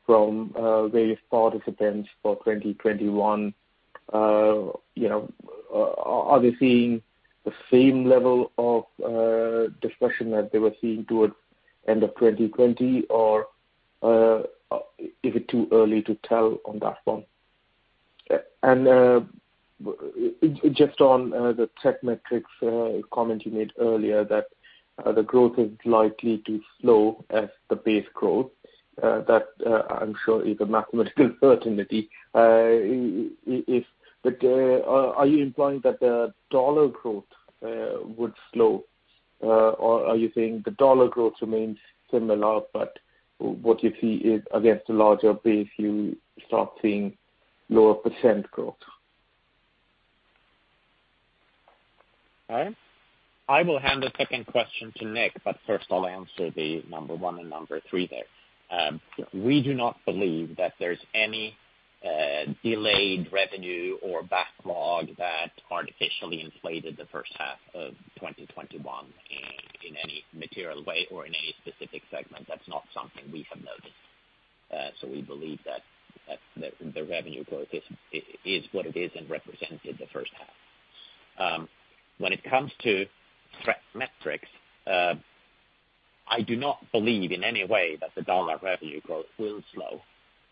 from various participants for 2021? Are they seeing the same level of discussion that they were seeing towards end of 2020, or is it too early to tell on that one? Just on the ThreatMetrix comment you made earlier that the growth is likely to slow as the base growth, that I'm sure is a mathematical certainty. Are you implying that the dollar growth would slow? Are you saying the dollar growth remains similar, but what you see is against a larger base, you start seeing lower percentage growth? All right. I will hand the second question to Nick, but first I'll answer the number one and number three there. We do not believe that there is any delayed revenue or backlog that artificially inflated the first half of 2021 in any material way or in any specific segment. That's not something we have noticed. We believe that the revenue growth is what it is and represented the first half. When it comes to ThreatMetrix, I do not believe in any way that the dollar revenue growth will slow.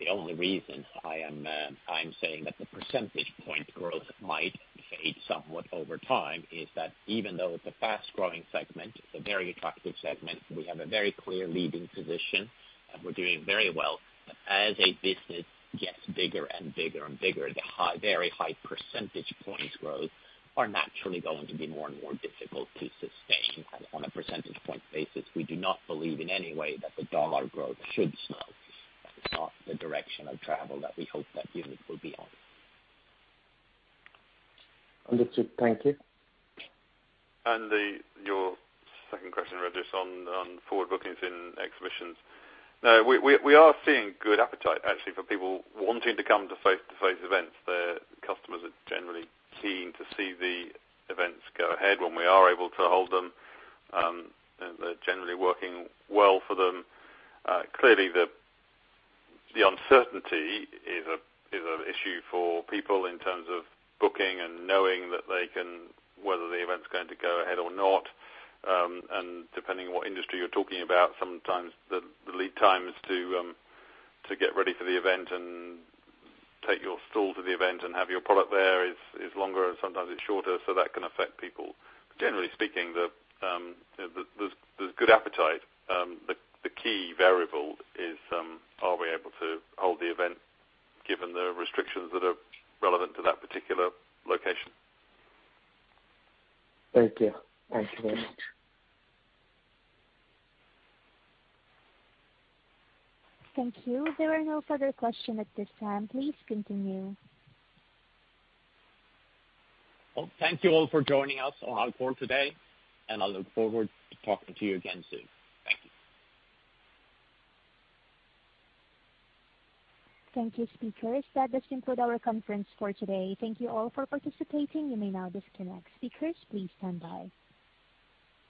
The only reason I'm saying that the percentage point growth might fade somewhat over time is that even though it's a fast-growing segment, it's a very attractive segment, we have a very clear leading position and we're doing very well. As a business gets bigger and bigger, the very high percentage points growth are naturally going to be more and more difficult to sustain on a percentage point basis. We do not believe in any way that the U.S. dollar growth should slow. That's not the direction of travel that we hope that unit will be on. Understood. Thank you. Your second question, Rajesh, on forward bookings in Exhibitions. No, we are seeing good appetite, actually, for people wanting to come to face-to-face events. The customers are generally keen to see the events go ahead when we are able to hold them, and they're generally working well for them. Clearly, the uncertainty is an issue for people in terms of booking and knowing whether the event's going to go ahead or not. Depending on what industry you're talking about, sometimes the lead times to get ready for the event and take your stall to the event and have your product there is longer, and sometimes it's shorter, so that can affect people. Generally speaking, there's good appetite. The key variable is are we able to hold the event given the restrictions that are relevant to that particular location? Thank you. Thanks very much. Thank you. There are no further questions at this time. Please continue. Well, thank you all for joining us on our call today, and I look forward to talking to you again soon. Thank you. Thank you, speakers. That does conclude our conference for today. Thank you all for participating. You may now disconnect. Speakers, please stand by.